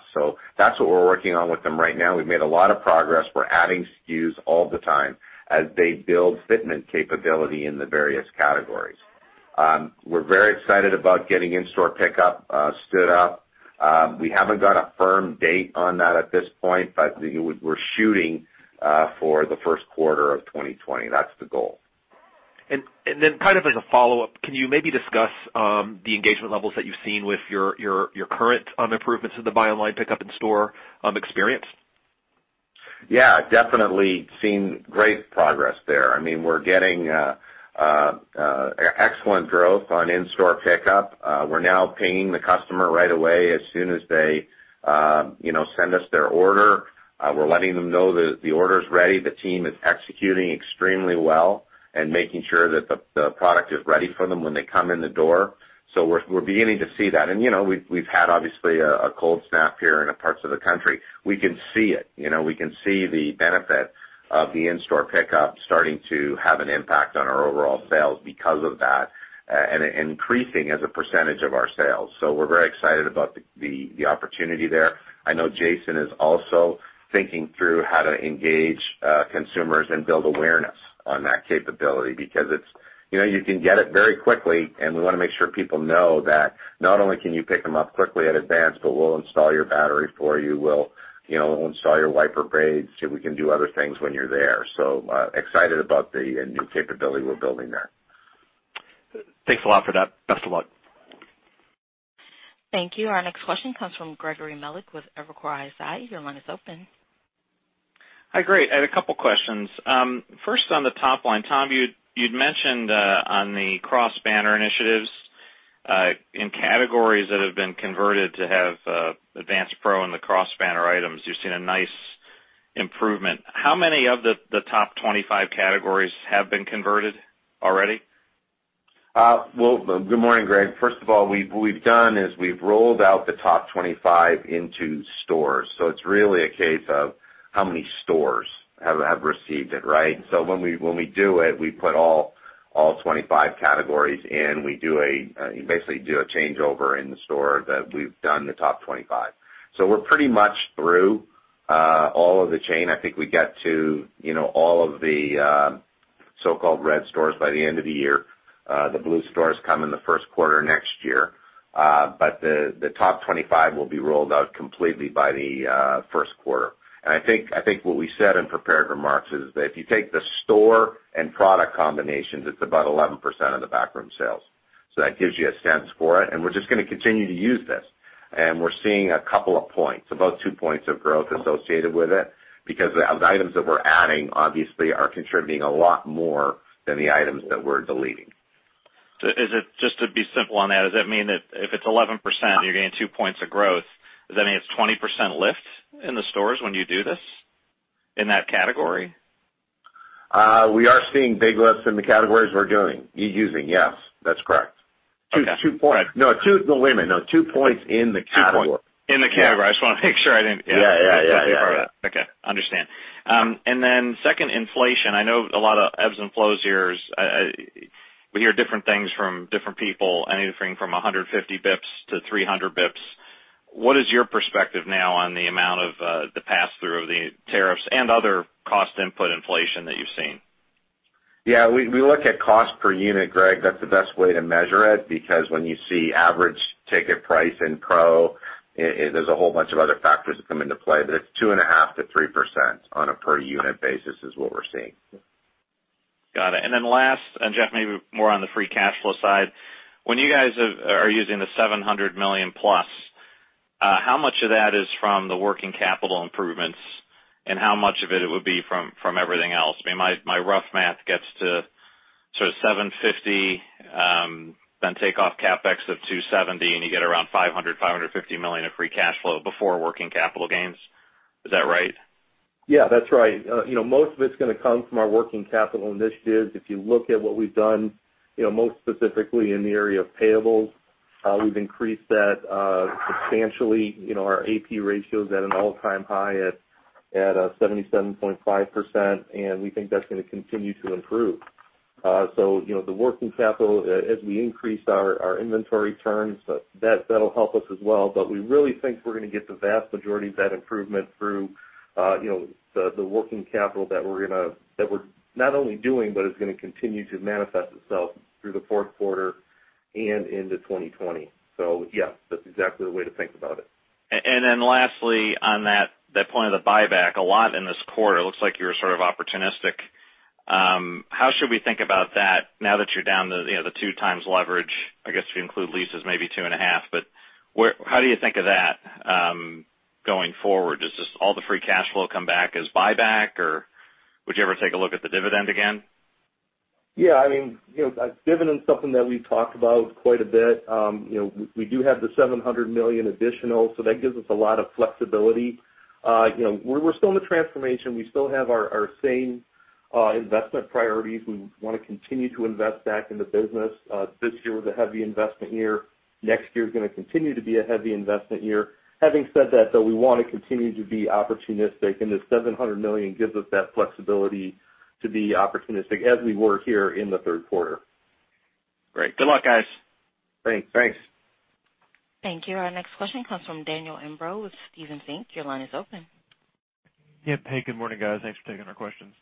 That's what we're working on with them right now. We've made a lot of progress. We're adding SKUs all the time as they build fitment capability in the various categories. We're very excited about getting in-store pickup stood up. We haven't got a firm date on that at this point, but we're shooting for the first quarter of 2020. That's the goal. Kind of as a follow-up, can you maybe discuss the engagement levels that you've seen with your current improvements to the buy online pickup in-store experience? Yeah, definitely seen great progress there. We're getting excellent growth on in-store pickup. We're now pinging the customer right away as soon as they send us their order. We're letting them know that the order's ready. The team is executing extremely well and making sure that the product is ready for them when they come in the door. We're beginning to see that. We've had obviously a cold snap here in parts of the country. We can see it. We can see the benefit of the in-store pickup starting to have an impact on our overall sales because of that, and increasing as a percentage of our sales. We're very excited about the opportunity there. I know Jason is also thinking through how to engage consumers and build awareness on that capability, because you can get it very quickly, and we want to make sure people know that not only can you pick them up quickly in Advance, but we'll install your battery for you. We'll install your wiper blades, and we can do other things when you're there. We are excited about the new capability we're building there. Thanks a lot for that. Best of luck. Thank you. Our next question comes from Gregory Melich with Evercore ISI. Your line is open. Hi. Great. I had a couple questions. First on the top line, Tom, you'd mentioned on the cross-banner initiatives, in categories that have been converted to have Advance Pro and the cross-banner items, you've seen a nice improvement. How many of the top 25 categories have been converted already? Well, good morning, Greg. First of all, what we've done is we've rolled out the top 25 into stores. It's really a case of how many stores have received it, right? When we do it, we put all 25 categories in. We basically do a changeover in the store that we've done the top 25. We're pretty much through all of the chain. I think we get to all of the so-called red stores by the end of the year. The blue stores come in the first quarter next year. The top 25 will be rolled out completely by the first quarter. I think what we said in prepared remarks is that if you take the store and product combinations, it's about 11% of the backroom sales. That gives you a sense for it, and we're just going to continue to use this. We're seeing a couple of points, about two points of growth associated with it, because the items that we're adding obviously are contributing a lot more than the items that we're deleting. Just to be simple on that, does that mean that if it's 11%, you're getting two points of growth, does that mean it's 20% lift in the stores when you do this in that category? We are seeing big lifts in the categories we're using. Yes, that's correct. Okay. All right. No, wait a minute. No, 2 points in the category. 2 points in the category. I just want to make sure I didn't. Yeah. Yeah. Okay. Understand. Then second, inflation, I know a lot of ebbs and flows here. We hear different things from different people, anything from 150 basis points to 300 basis points. What is your perspective now on the amount of the pass-through of the tariffs and other cost input inflation that you've seen? We look at cost per unit, Greg. That's the best way to measure it, because when you see average ticket price in Pro, there's a whole bunch of other factors that come into play. It's 2.5%-3% on a per unit basis is what we're seeing. Got it. Last, Jeff, maybe more on the free cash flow side, when you guys are using the $700 million+, how much of that is from the working capital improvements, how much of it would be from everything else? My rough math gets to sort of $750, take off CapEx of $270, you get around $500 million-$550 million of free cash flow before working capital gains. Is that right? Yeah, that's right. Most of it's going to come from our working capital initiatives. If you look at what we've done, most specifically in the area of payables, how we've increased that substantially. Our AP ratio is at an all-time high at 77.5%, and we think that's going to continue to improve. The working capital, as we increase our inventory turns, that'll help us as well. We really think we're going to get the vast majority of that improvement through the working capital that we're not only doing, but is going to continue to manifest itself through the fourth quarter and into 2020. Yeah, that's exactly the way to think about it. Lastly, on that point of the buyback, a lot in this quarter, looks like you were sort of opportunistic. How should we think about that now that you're down to the 2x leverage? I guess if you include leases, maybe 2.5. How do you think of that going forward? Does all the free cash flow come back as buyback, or would you ever take a look at the dividend again? Yeah, I mean, dividend is something that we've talked about quite a bit. We do have the $700 million additional. That gives us a lot of flexibility. We're still in the transformation. We still have our same investment priorities. We want to continue to invest back in the business. This year was a heavy investment year. Next year is going to continue to be a heavy investment year. Having said that, though, we want to continue to be opportunistic. The $700 million gives us that flexibility to be opportunistic as we were here in the third quarter. Great. Good luck, guys. Thanks. Thank you. Our next question comes from Daniel Imbro with Stephens Inc. Your line is open. Yeah. Hey, good morning, guys. Thanks for taking our questions.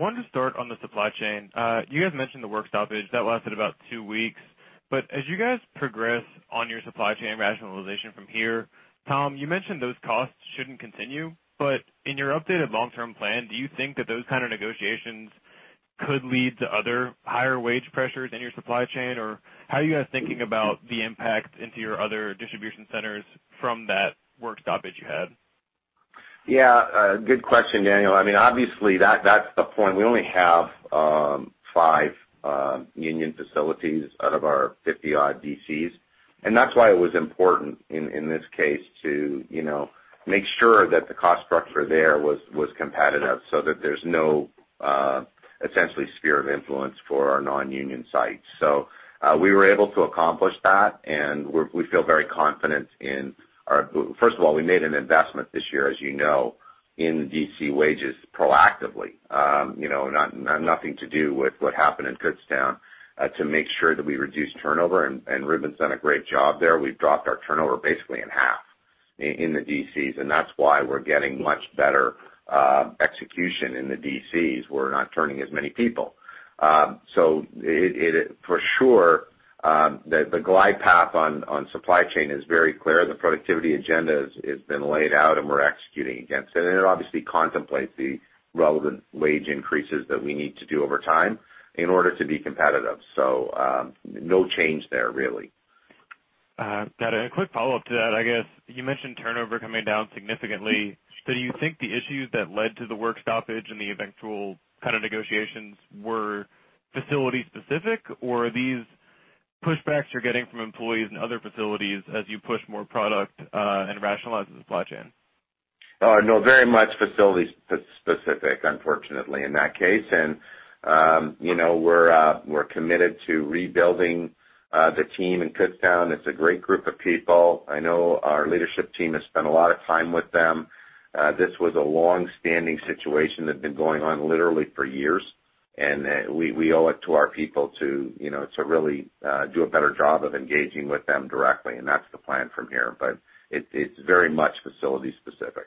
Wanted to start on the supply chain. You guys mentioned the work stoppage. That lasted about two weeks. As you guys progress on your supply chain rationalization from here, Tom, you mentioned those costs shouldn't continue. In your updated long-term plan, do you think that those kind of negotiations could lead to other higher wage pressures in your supply chain? How are you guys thinking about the impact into your other distribution centers from that work stoppage you had? Good question, Daniel. Obviously, that's the point. We only have five union facilities out of our 50-odd DCs. That's why it was important in this case to make sure that the cost structure there was competitive so that there's no essentially sphere of influence for our non-union sites. We were able to accomplish that, and we feel very confident in our. First of all, we made an investment this year, as you know, in DC wages proactively. Nothing to do with what happened in Kutztown, to make sure that we reduce turnover. Reuben's done a great job there. We've dropped our turnover basically in half in the DCs. That's why we're getting much better execution in the DCs. We're not turning as many people. For sure, the glide path on supply chain is very clear. The productivity agenda has been laid out, and we're executing against it, and it obviously contemplates the relevant wage increases that we need to do over time in order to be competitive. No change there, really. Got it. A quick follow-up to that, I guess. You mentioned turnover coming down significantly. Do you think the issues that led to the work stoppage and the eventual negotiations were facility specific, or are these pushbacks you're getting from employees in other facilities as you push more product and rationalize the supply chain? No. Very much facility specific, unfortunately, in that case. We're committed to rebuilding the team in Kutztown. It's a great group of people. I know our leadership team has spent a lot of time with them. This was a long-standing situation that had been going on literally for years, and we owe it to our people to really do a better job of engaging with them directly, and that's the plan from here. It's very much facility specific.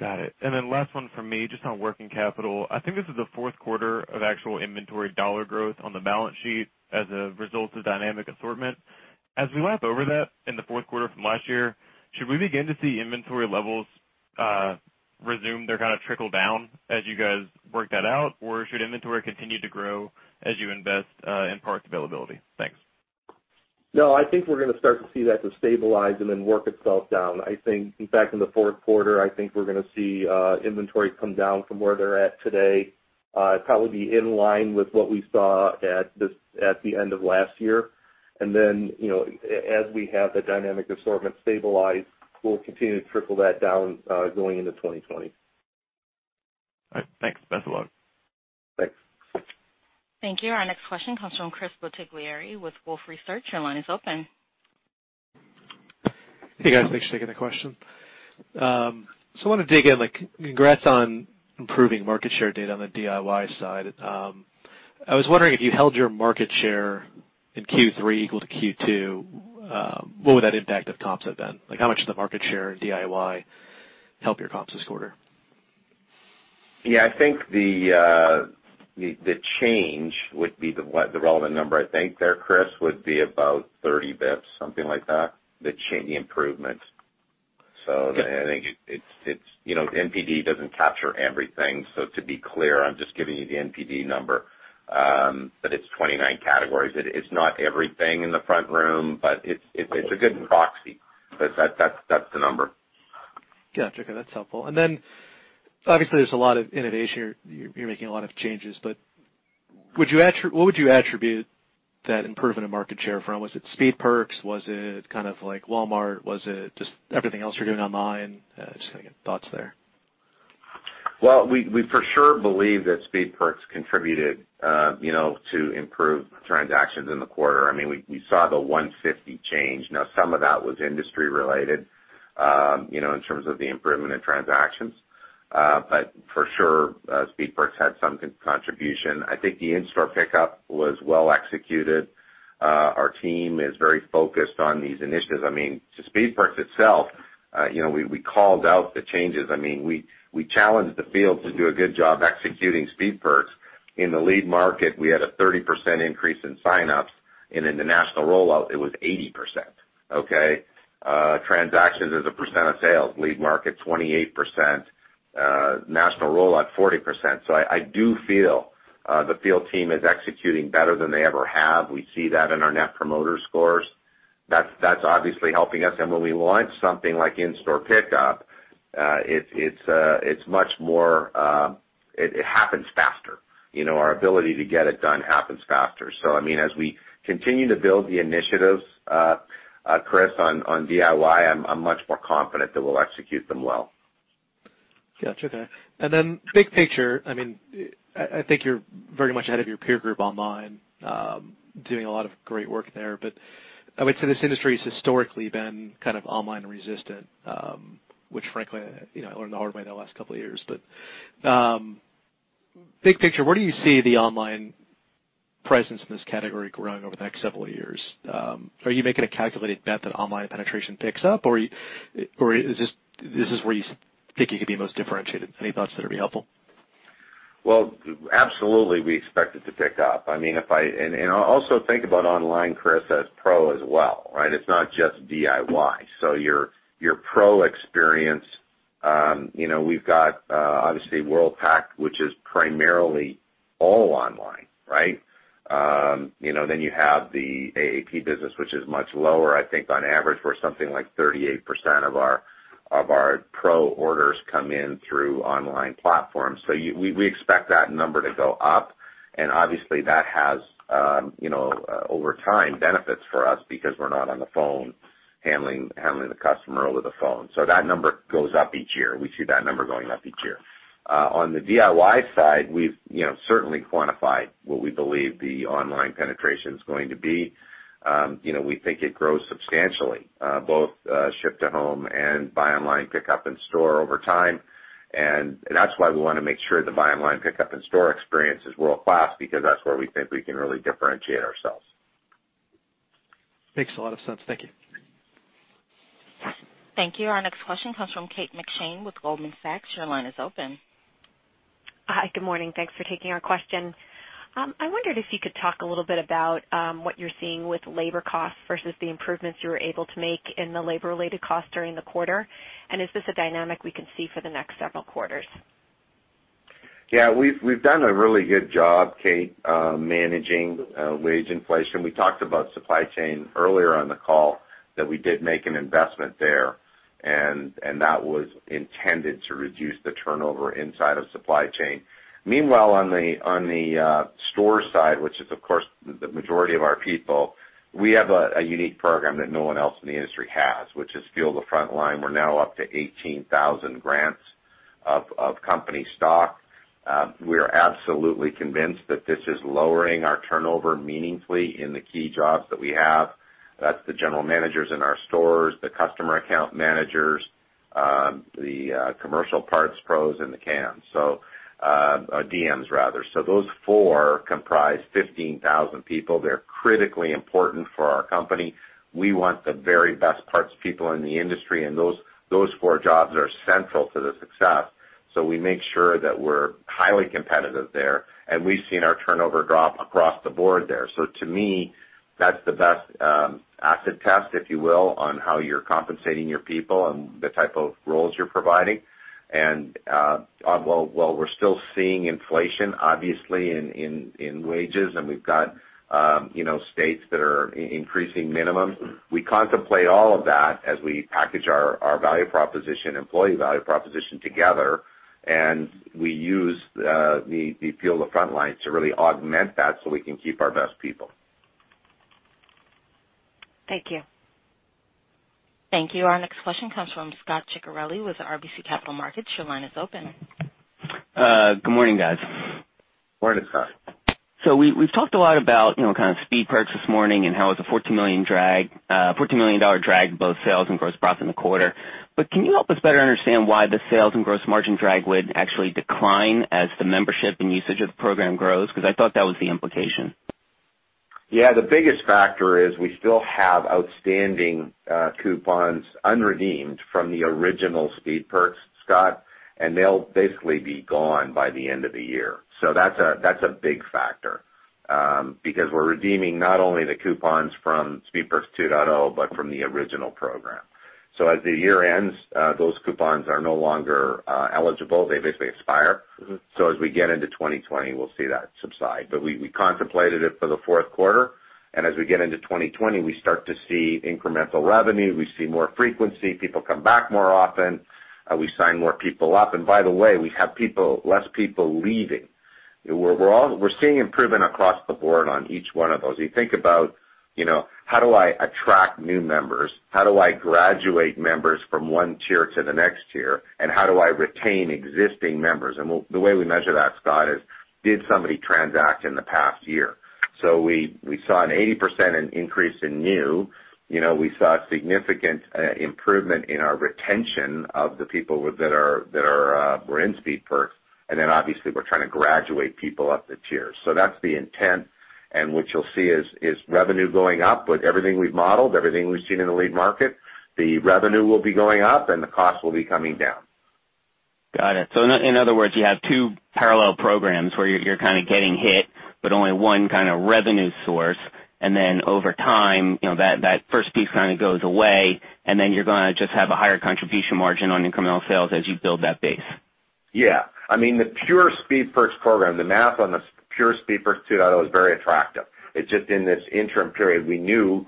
Got it. Last one from me, just on working capital. I think this is the fourth quarter of actual inventory dollar growth on the balance sheet as a result of Dynamic Assortment. As we lap over that in the fourth quarter from last year, should we begin to see inventory levels resume their trickle down as you guys work that out? Should inventory continue to grow as you invest in parts availability? Thanks. No, I think we're going to start to see that destabilize and then work itself down. In fact, in the fourth quarter, I think we're going to see inventory come down from where they're at today. It'd probably be in line with what we saw at the end of last year. As we have the Dynamic Assortment stabilized, we'll continue to trickle that down going into 2020. All right. Thanks. Thanks a lot. Thanks. Thank you. Our next question comes from Chris Bottiglieri with Wolfe Research. Your line is open. Hey, guys. Thanks for taking the question. I want to dig in. Congrats on improving market share data on the DIY side. I was wondering if you held your market share in Q3 equal to Q2, what would that impact of comps have been? How much did the market share in DIY help your comps this quarter? Yeah, I think the change would be the relevant number, I think there, Chris, would be about 30 basis points, something like that. The improvement. Yeah. NPD doesn't capture everything. To be clear, I'm just giving you the NPD number, but it's 29 categories. It's not everything in the front room, but it's a good proxy. That's the number. Got you. That's helpful. Obviously there's a lot of innovation. You're making a lot of changes. What would you attribute that improvement of market share from? Was it Speed Perks? Was it kind of like Walmart? Was it just everything else you're doing online? Just thinking of thoughts there. We for sure believe that Speed Perks contributed to improve transactions in the quarter. We saw the 150 change. Some of that was industry related, in terms of the improvement in transactions. For sure, Speed Perks had some contribution. I think the In-store Pickup was well executed. Our team is very focused on these initiatives. Just Speed Perks itself, we called out the changes. We challenged the field to do a good job executing Speed Perks. In the lead market, we had a 30% increase in sign-ups, and in the national rollout, it was 80%. Okay? Transactions as a percent of sales, lead market, 28%, national rollout, 40%. I do feel the field team is executing better than they ever have. We see that in our Net Promoter Scores. That's obviously helping us. When we launch something like In-store Pickup, it happens faster. Our ability to get it done happens faster. I mean, as we continue to build the initiatives, Chris, on DIY, I'm much more confident that we'll execute them well. Got you there. Big picture, I think you're very much ahead of your peer group online, doing a lot of great work there. This industry's historically been kind of online resistant, which frankly, I learned the hard way in the last couple of years. Big picture, where do you see the online presence in this category growing over the next several years? Are you making a calculated bet that online penetration picks up, or this is where you think you could be most differentiated? Any thoughts that'd be helpful? Well, absolutely we expect it to pick up. I mean, if I—and I also think about online, Chris, as Pro as well, right? It's not just DIY. Your Pro experience, you know, we've got obviously Worldpac, which is primarily all online, right? You have the AAP business, which is much lower. I think on average we're something like 38% of our Pro orders come in through online platforms. We expect that number to go up, and obviously that has, over time, benefits for us because we're not on the phone handling the customer over the phone. That number goes up each year. We see that number going up each year. On the DIY side, we've certainly quantified what we believe the online penetration's going to be. We think it grows substantially, both ship to home and buy online pickup in store over time. That's why we want to make sure the buy online, pickup in-store experience is world-class, because that's where we think we can really differentiate ourselves. Makes a lot of sense. Thank you. Thank you. Our next question comes from Kate McShane with Goldman Sachs. Your line is open. Hi. Good morning. Thanks for taking our question. I wondered if you could talk a little bit about what you're seeing with labor costs versus the improvements you were able to make in the labor-related costs during the quarter, and is this a dynamic we can see for the next several quarters? Yeah. We've done a really good job, Kate, managing wage inflation. We talked about supply chain earlier on the call, that we did make an investment there, that was intended to reduce the turnover inside of supply chain. Meanwhile, on the store side, which is of course the majority of our people, we have a unique program that no one else in the industry has, which is Fuel the Frontline. We're now up to 18,000 grants of company stock. We're absolutely convinced that this is lowering our turnover meaningfully in the key jobs that we have. That's the general managers in our stores, the customer account managers, the commercial parts pros, and the CAMs. DMs rather. Those four comprise 15,000 people. They're critically important for our company. We want the very best parts people in the industry, those four jobs are central to the success. We make sure that we're highly competitive there, and we've seen our turnover drop across the board there. To me, that's the best acid test, if you will, on how you're compensating your people and the type of roles you're providing. While we're still seeing inflation, obviously in wages, and we've got states that are increasing minimums, we contemplate all of that as we package our employee value proposition together, and we use the Fuel the Frontline to really augment that so we can keep our best people. Thank you. Thank you. Our next question comes from Scot Ciccarelli with RBC Capital Markets. Your line is open. Good morning, guys. Morning, Scot. We've talked a lot about kind of Speed Perks this morning and how it's a $14 million drag in both sales and gross profit in the quarter. Can you help us better understand why the sales and gross margin drag would actually decline as the membership and usage of the program grows? I thought that was the implication. The biggest factor is we still have outstanding coupons unredeemed from the original Speed Perks, Scot. They'll basically be gone by the end of the year. That's a big factor, because we're redeeming not only the coupons from Speed Perks 2.0, but from the original program. As the year ends, those coupons are no longer eligible. They basically expire. As we get into 2020, we'll see that subside. We contemplated it for the fourth quarter, and as we get into 2020, we start to see incremental revenue. We see more frequency. People come back more often. We sign more people up. By the way, we have less people leaving. We're seeing improvement across the board on each one of those. You think about how do I attract new members? How do I graduate members from 1 tier to the next tier, and how do I retain existing members? The way we measure that, Scot, is did somebody transact in the past year? We saw an 80% increase in new. We saw a significant improvement in our retention of the people that were in Speed Perks. Obviously, we're trying to graduate people up the tiers. That's the intent. What you'll see is revenue going up with everything we've modeled, everything we've seen in the lead market. The revenue will be going up, and the cost will be coming down. Got it. In other words, you have two parallel programs where you're kind of getting hit, but only one kind of revenue source. Over time, that first piece kind of goes away, and then you're going to just have a higher contribution margin on incremental sales as you build that base. Yeah. I mean, the pure Speed Perks program, the math on the pure Speed Perks 2.0 is very attractive. It's just in this interim period, we knew,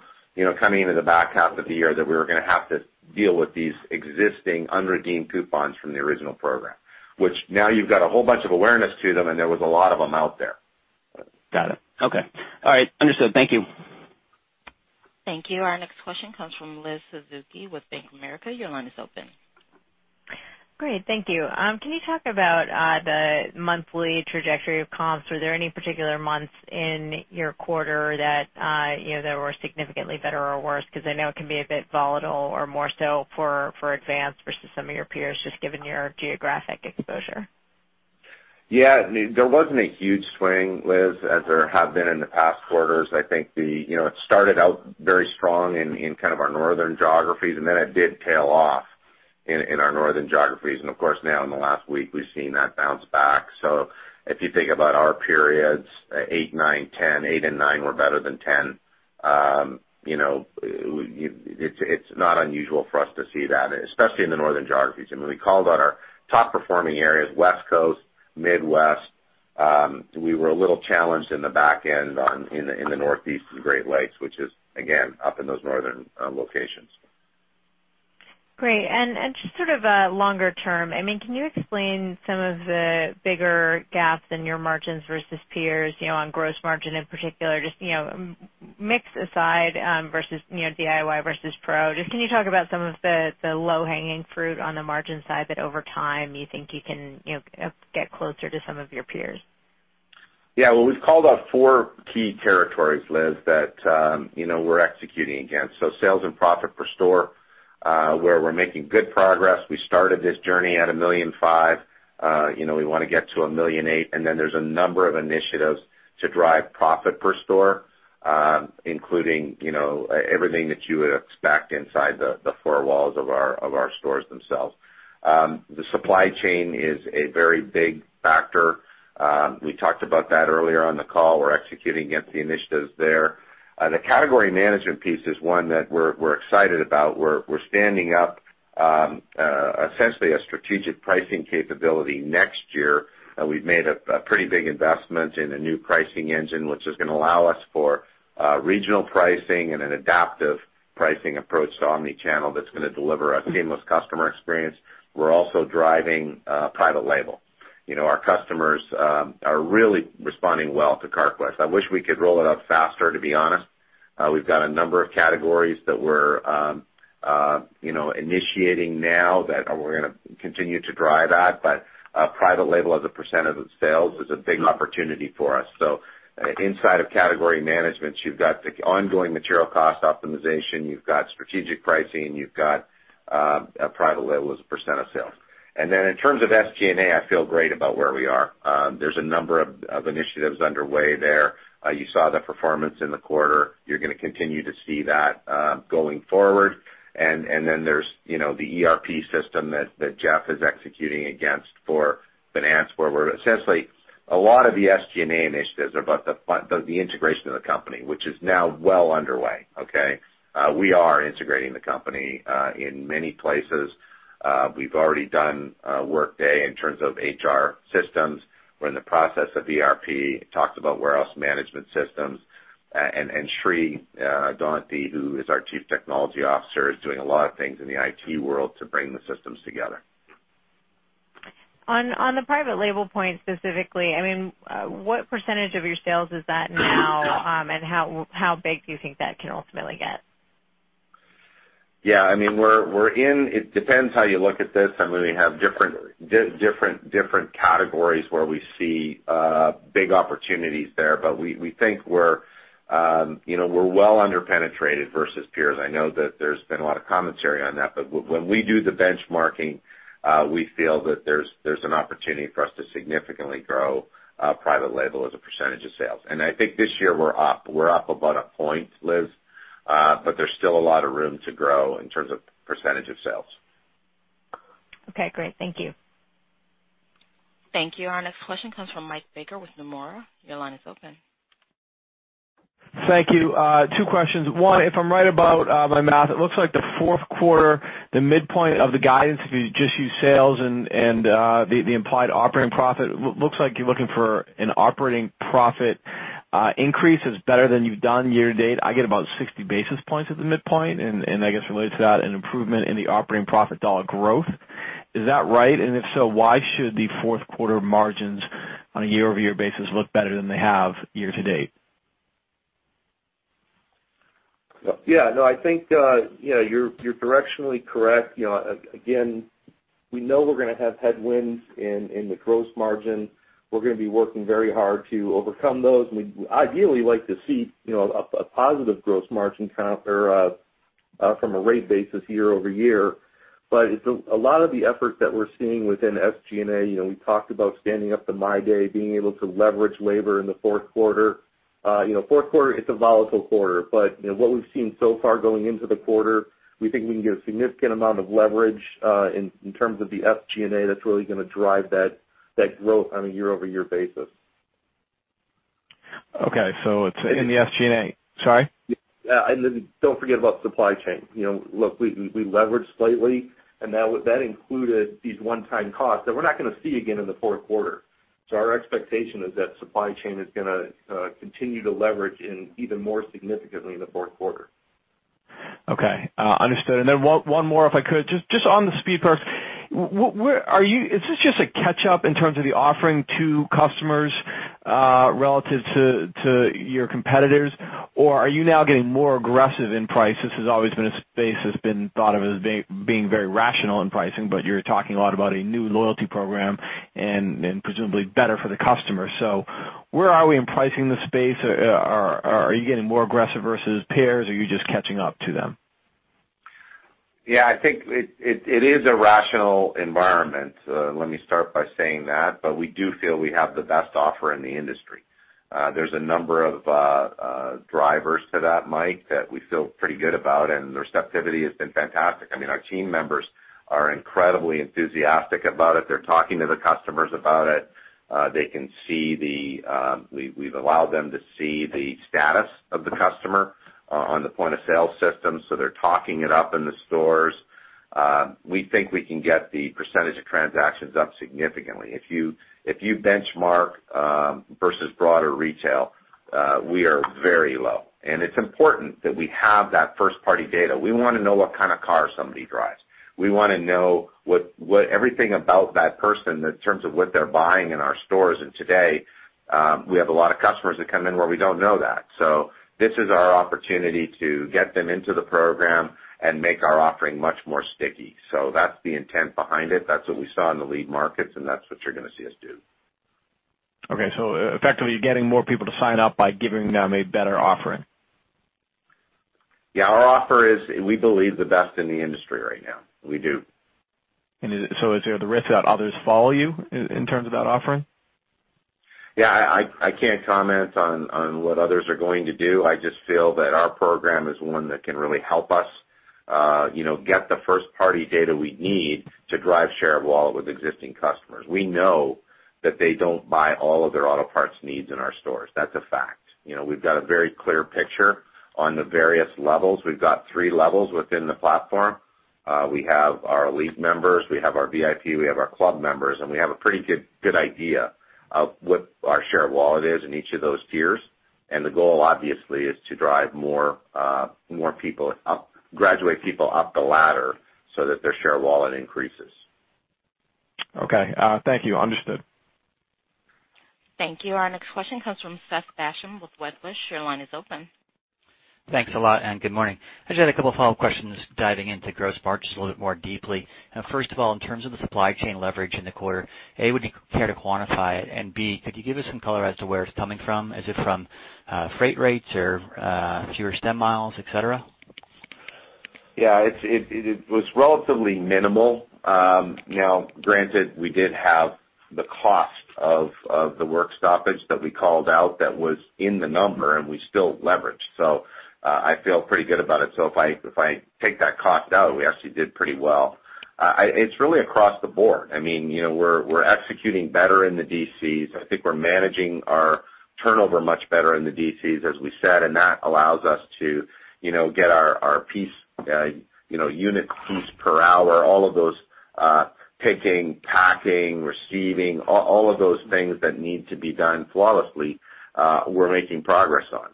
coming into the back half of the year that we were going to have to deal with these existing unredeemed coupons from the original program. Which now you've got a whole bunch of awareness to them, and there was a lot of them out there. Got it. Okay. All right. Understood. Thank you. Thank you. Our next question comes from Liz Suzuki with Bank of America. Your line is open. Great. Thank you. Can you talk about the monthly trajectory of comps? Were there any particular months in your quarter that were significantly better or worse? I know it can be a bit volatile or more so for Advance versus some of your peers, just given your geographic exposure. Yeah. There wasn't a huge swing, Liz, as there have been in the past quarters. I think it started out very strong in kind of our northern geographies, and then it did tail off in our northern geographies. Of course, now in the last week, we've seen that bounce back. If you think about our periods, eight, nine, 10, eight and nine were better than 10. It's not unusual for us to see that, especially in the northern geographies. When we called out our top-performing areas, West Coast, Midwest, we were a little challenged in the back end in the Northeast and Great Lakes, which is, again, up in those northern locations. Great. Just sort of longer term, can you explain some of the bigger gaps in your margins versus peers on gross margin in particular, just mix aside versus DIY versus Pro? Just can you talk about some of the low-hanging fruit on the margin side that over time you think you can get closer to some of your peers? Yeah. We've called out four key territories, Liz, that we're executing against. Sales and profit per store, where we're making good progress. We started this journey at $1.5 million. We want to get to $1.8 million, there's a number of initiatives to drive profit per store, including everything that you would expect inside the four walls of our stores themselves. The supply chain is a very big factor. We talked about that earlier on the call. We're executing against the initiatives there. The category management piece is one that we're excited about. We're standing up, essentially, a strategic pricing capability next year. We've made a pretty big investment in a new pricing engine, which is going to allow us for regional pricing and an adaptive pricing approach to omni-channel that's going to deliver a seamless customer experience. We're also driving private label. You know, our customers are really responding well to Carquest. I wish we could roll it out faster, to be honest. We've got a number of categories that we're, you know, initiating now that we're going to continue to drive at, private label as a percentage of the sales is a big opportunity for us. Inside of category management, you've got the ongoing material cost optimization, you've got strategic pricing, you've got private label as a percentage of sales. In terms of SG&A, I feel great about where we are. There's a number of initiatives underway there. You saw the performance in the quarter. You're going to continue to see that going forward. There's the ERP system that Jeff is executing against for finance, where we're essentially, a lot of the SG&A initiatives are about the integration of the company, which is now well underway, okay? We are integrating the company in many places. We've already done Workday in terms of HR systems. We're in the process of ERP, talked about warehouse management systems. Sri Donthi, who is our Chief Technology Officer, is doing a lot of things in the IT world to bring the systems together. On the private label point specifically, what percentage of your sales is that now? How big do you think that can ultimately get? Yeah, I mean, we're in— it depends how you look at this. We have different categories where we see big opportunities there. We think we're well under-penetrated versus peers. I know that there's been a lot of commentary on that, but when we do the benchmarking, we feel that there's an opportunity for us to significantly grow private label as a percentage of sales. I think this year we're up about a point, Liz, but there's still a lot of room to grow in terms of percentage of sales. Okay, great. Thank you. Thank you. Our next question comes from Mike Baker with Nomura. Your line is open. Thank you. Two questions. One, if I'm right about my math, it looks like the fourth quarter, the midpoint of the guidance, if you just use sales and the implied operating profit, looks like you're looking for an operating profit increase that's better than you've done year-to-date. I get about 60 basis points at the midpoint, and I guess related to that, an improvement in the operating profit dollar growth. Is that right? If so, why should the fourth quarter margins on a year-over-year basis look better than they have year-to-date? I think you're directionally correct. Again, we know we're going to have headwinds in the gross margin. We're going to be working very hard to overcome those, and we'd ideally like to see a positive gross margin from a rate basis year-over-year. A lot of the effort that we're seeing within SG&A, we talked about standing up the MyDay, being able to leverage labor in the fourth quarter. Fourth quarter, it's a volatile quarter, but what we've seen so far going into the quarter, we think we can get a significant amount of leverage, in terms of the SG&A that's really going to drive that growth on a year-over-year basis. Okay, it's in the SG&A. Sorry? Don't forget about supply chain. Look, we leveraged slightly, and that included these one-time costs that we're not going to see again in the fourth quarter. Our expectation is that supply chain is going to continue to leverage in even more significantly in the fourth quarter. Okay. Understood. One more if I could. Just on the Speed Perks, are you—is this just a catch-up in terms of the offering to customers, relative to your competitors? Are you now getting more aggressive in price? This has always been a space that's been thought of as being very rational in pricing, but you're talking a lot about a new loyalty program and presumably better for the customer. Where are we in pricing the space? Are you getting more aggressive versus peers, or are you just catching up to them? Yeah, I think it is a rational environment. Let me start by saying that. We do feel we have the best offer in the industry. There's a number of drivers to that, Mike, that we feel pretty good about, and the receptivity has been fantastic. Our team members are incredibly enthusiastic about it. They're talking to the customers about it. Then can see the—we've allowed them to see the status of the customer on the point-of-sale system, so they're talking it up in the stores. We think we can get the percentage of transactions up significantly. If you benchmark versus broader retail, we are very low, and it's important that we have that first-party data. We want to know what kind of car somebody drives. We want to know everything about that person in terms of what they're buying in our stores. Today, we have a lot of customers that come in where we don't know that. This is our opportunity to get them into the program and make our offering much more sticky. That's the intent behind it. That's what we saw in the lead markets, and that's what you're going to see us do. Effectively getting more people to sign up by giving them a better offering. Yeah, our offer is, we believe, the best in the industry right now. We do. Is there the risk that others follow you in terms of that offering? Yeah, I can't comment on what others are going to do. I just feel that our program is one that can really help us get the first-party data we need to drive share of wallet with existing customers. We know that they don't buy all of their auto parts needs in our stores. That's a fact. We've got a very clear picture on the various levels. We've got three levels within the platform. We have our elite members, we have our VIP, we have our club members, and we have a pretty good idea of what our share of wallet is in each of those tiers. The goal, obviously, is to drive more people up, graduate people up the ladder so that their share of wallet increases. Okay. Thank you. Understood. Thank you. Our next question comes from Seth Basham with Wedbush. Your line is open. Thanks a lot. Good morning. I just had a couple follow-up questions diving into gross margins a little bit more deeply. First of all, in terms of the supply chain leverage in the quarter, A, would you care to quantify it, and B, could you give us some color as to where it's coming from? Is it from freight rates or fewer stem miles, et cetera? Yeah, it was relatively minimal. You know, granted, we did have the cost of the work stoppage that we called out that was in the number, and we still leveraged. I feel pretty good about it. If I take that cost out, we actually did pretty well. It's really across the board. We're executing better in the DCs. I think we're managing our turnover much better in the DCs, as we said, and that allows us to get our unit piece per hour, all of those picking, packing, receiving, all of those things that need to be done flawlessly, we're making progress on.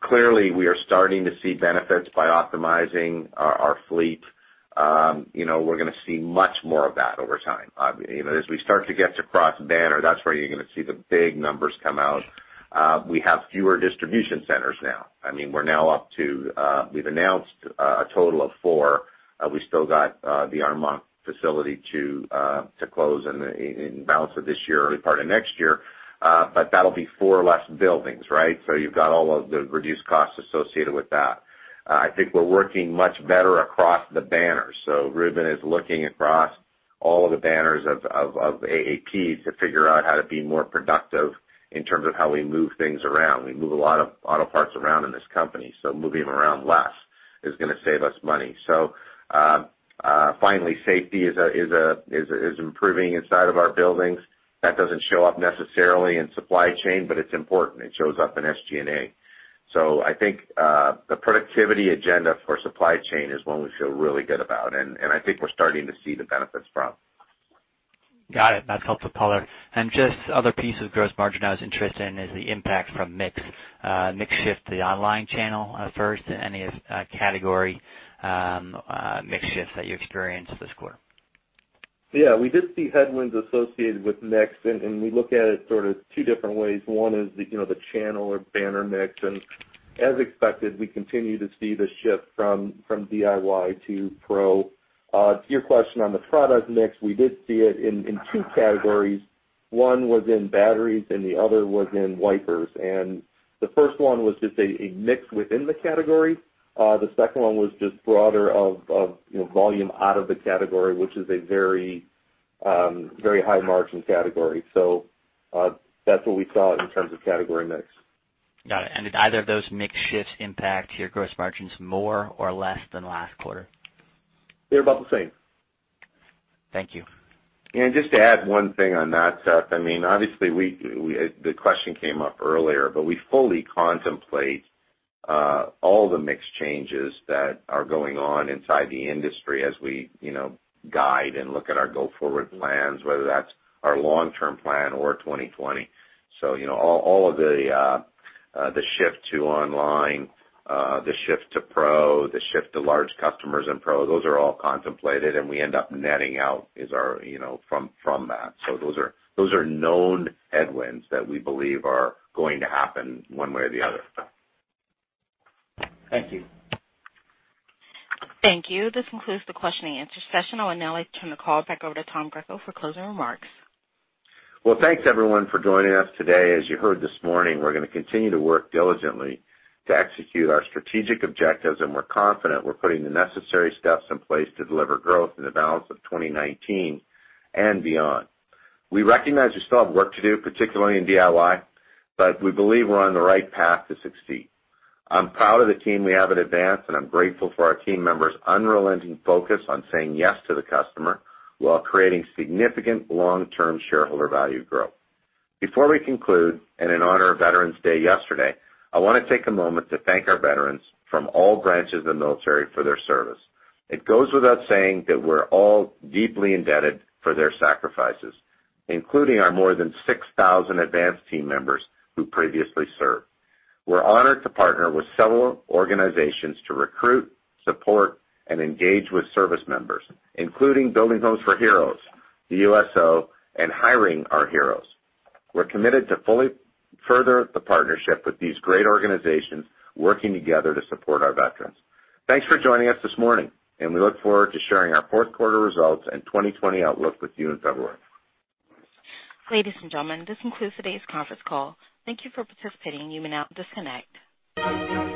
Clearly, we are starting to see benefits by optimizing our fleet. We're going to see much more of that over time. As we start to get to cross banner, that's where you're going to see the big numbers come out. We have fewer distribution centers now. I mean, we are not up to, we've announced a total of four. We still got the Armonk facility to close in the balance of this year, early part of next year. That'll be four less buildings, right? You've got all of the reduced costs associated with that. I think we're working much better across the banners. Reuben is looking across all of the banners of AAP to figure out how to be more productive in terms of how we move things around. We move a lot of auto parts around in this company, moving them around less is going to save us money. Finally, safety is improving inside of our buildings. That doesn't show up necessarily in supply chain, but it's important. It shows up in SG&A. I think, the productivity agenda for supply chain is one we feel really good about, and I think we're starting to see the benefits from. Got it. That's helpful color. Just other piece of gross margin I was interested in is the impact from mix. Mix shift to the online channel first. Any category mix shifts that you experienced this quarter? Yeah, we did see headwinds associated with mix. We look at it sort of two different ways. One is the channel or banner mix. As expected, we continue to see the shift from DIY to Pro. To your question on the product mix, we did see it in two categories. One was in batteries and the other was in wipers. The first one was just a mix within the category. The second one was just broader of volume out of the category, which is a very high margin category. That's what we saw in terms of category mix. Got it. Did either of those mix shifts impact your gross margins more or less than last quarter? They're about the same. Thank you. Just to add one thing on that, Seth. Obviously, the question came up earlier, but we fully contemplate all the mix changes that are going on inside the industry as we guide and look at our go-forward plans, whether that's our long-term plan or 2020. All of the shift to online, the shift to Pro, the shift to large customers and Pro, those are all contemplated, and we end up netting out from that. Those are known headwinds that we believe are going to happen one way or the other. Thank you. Thank you. This concludes the question and answer session. I will now turn the call back over to Tom Greco for closing remarks. Well, thanks everyone for joining us today. As you heard this morning, we're going to continue to work diligently to execute our strategic objectives, and we're confident we're putting the necessary steps in place to deliver growth in the balance of 2019 and beyond. We recognize we still have work to do, particularly in DIY, but we believe we're on the right path to succeed. I'm proud of the team we have at Advance, and I'm grateful for our team members' unrelenting focus on saying yes to the customer while creating significant long-term shareholder value growth. Before we conclude, and in honor of Veterans Day yesterday, I want to take a moment to thank our veterans from all branches of the military for their service. It goes without saying that we're all deeply indebted for their sacrifices, including our more than 6,000 Advance team members who previously served. We're honored to partner with several organizations to recruit, support, and engage with service members, including Building Homes for Heroes, the USO, and Hiring Our Heroes. We're committed to fully further the partnership with these great organizations working together to support our veterans. Thanks for joining us this morning, and we look forward to sharing our fourth quarter results and 2020 outlook with you in February. Ladies and gentlemen, this concludes today's conference call. Thank you for participating. You may now disconnect.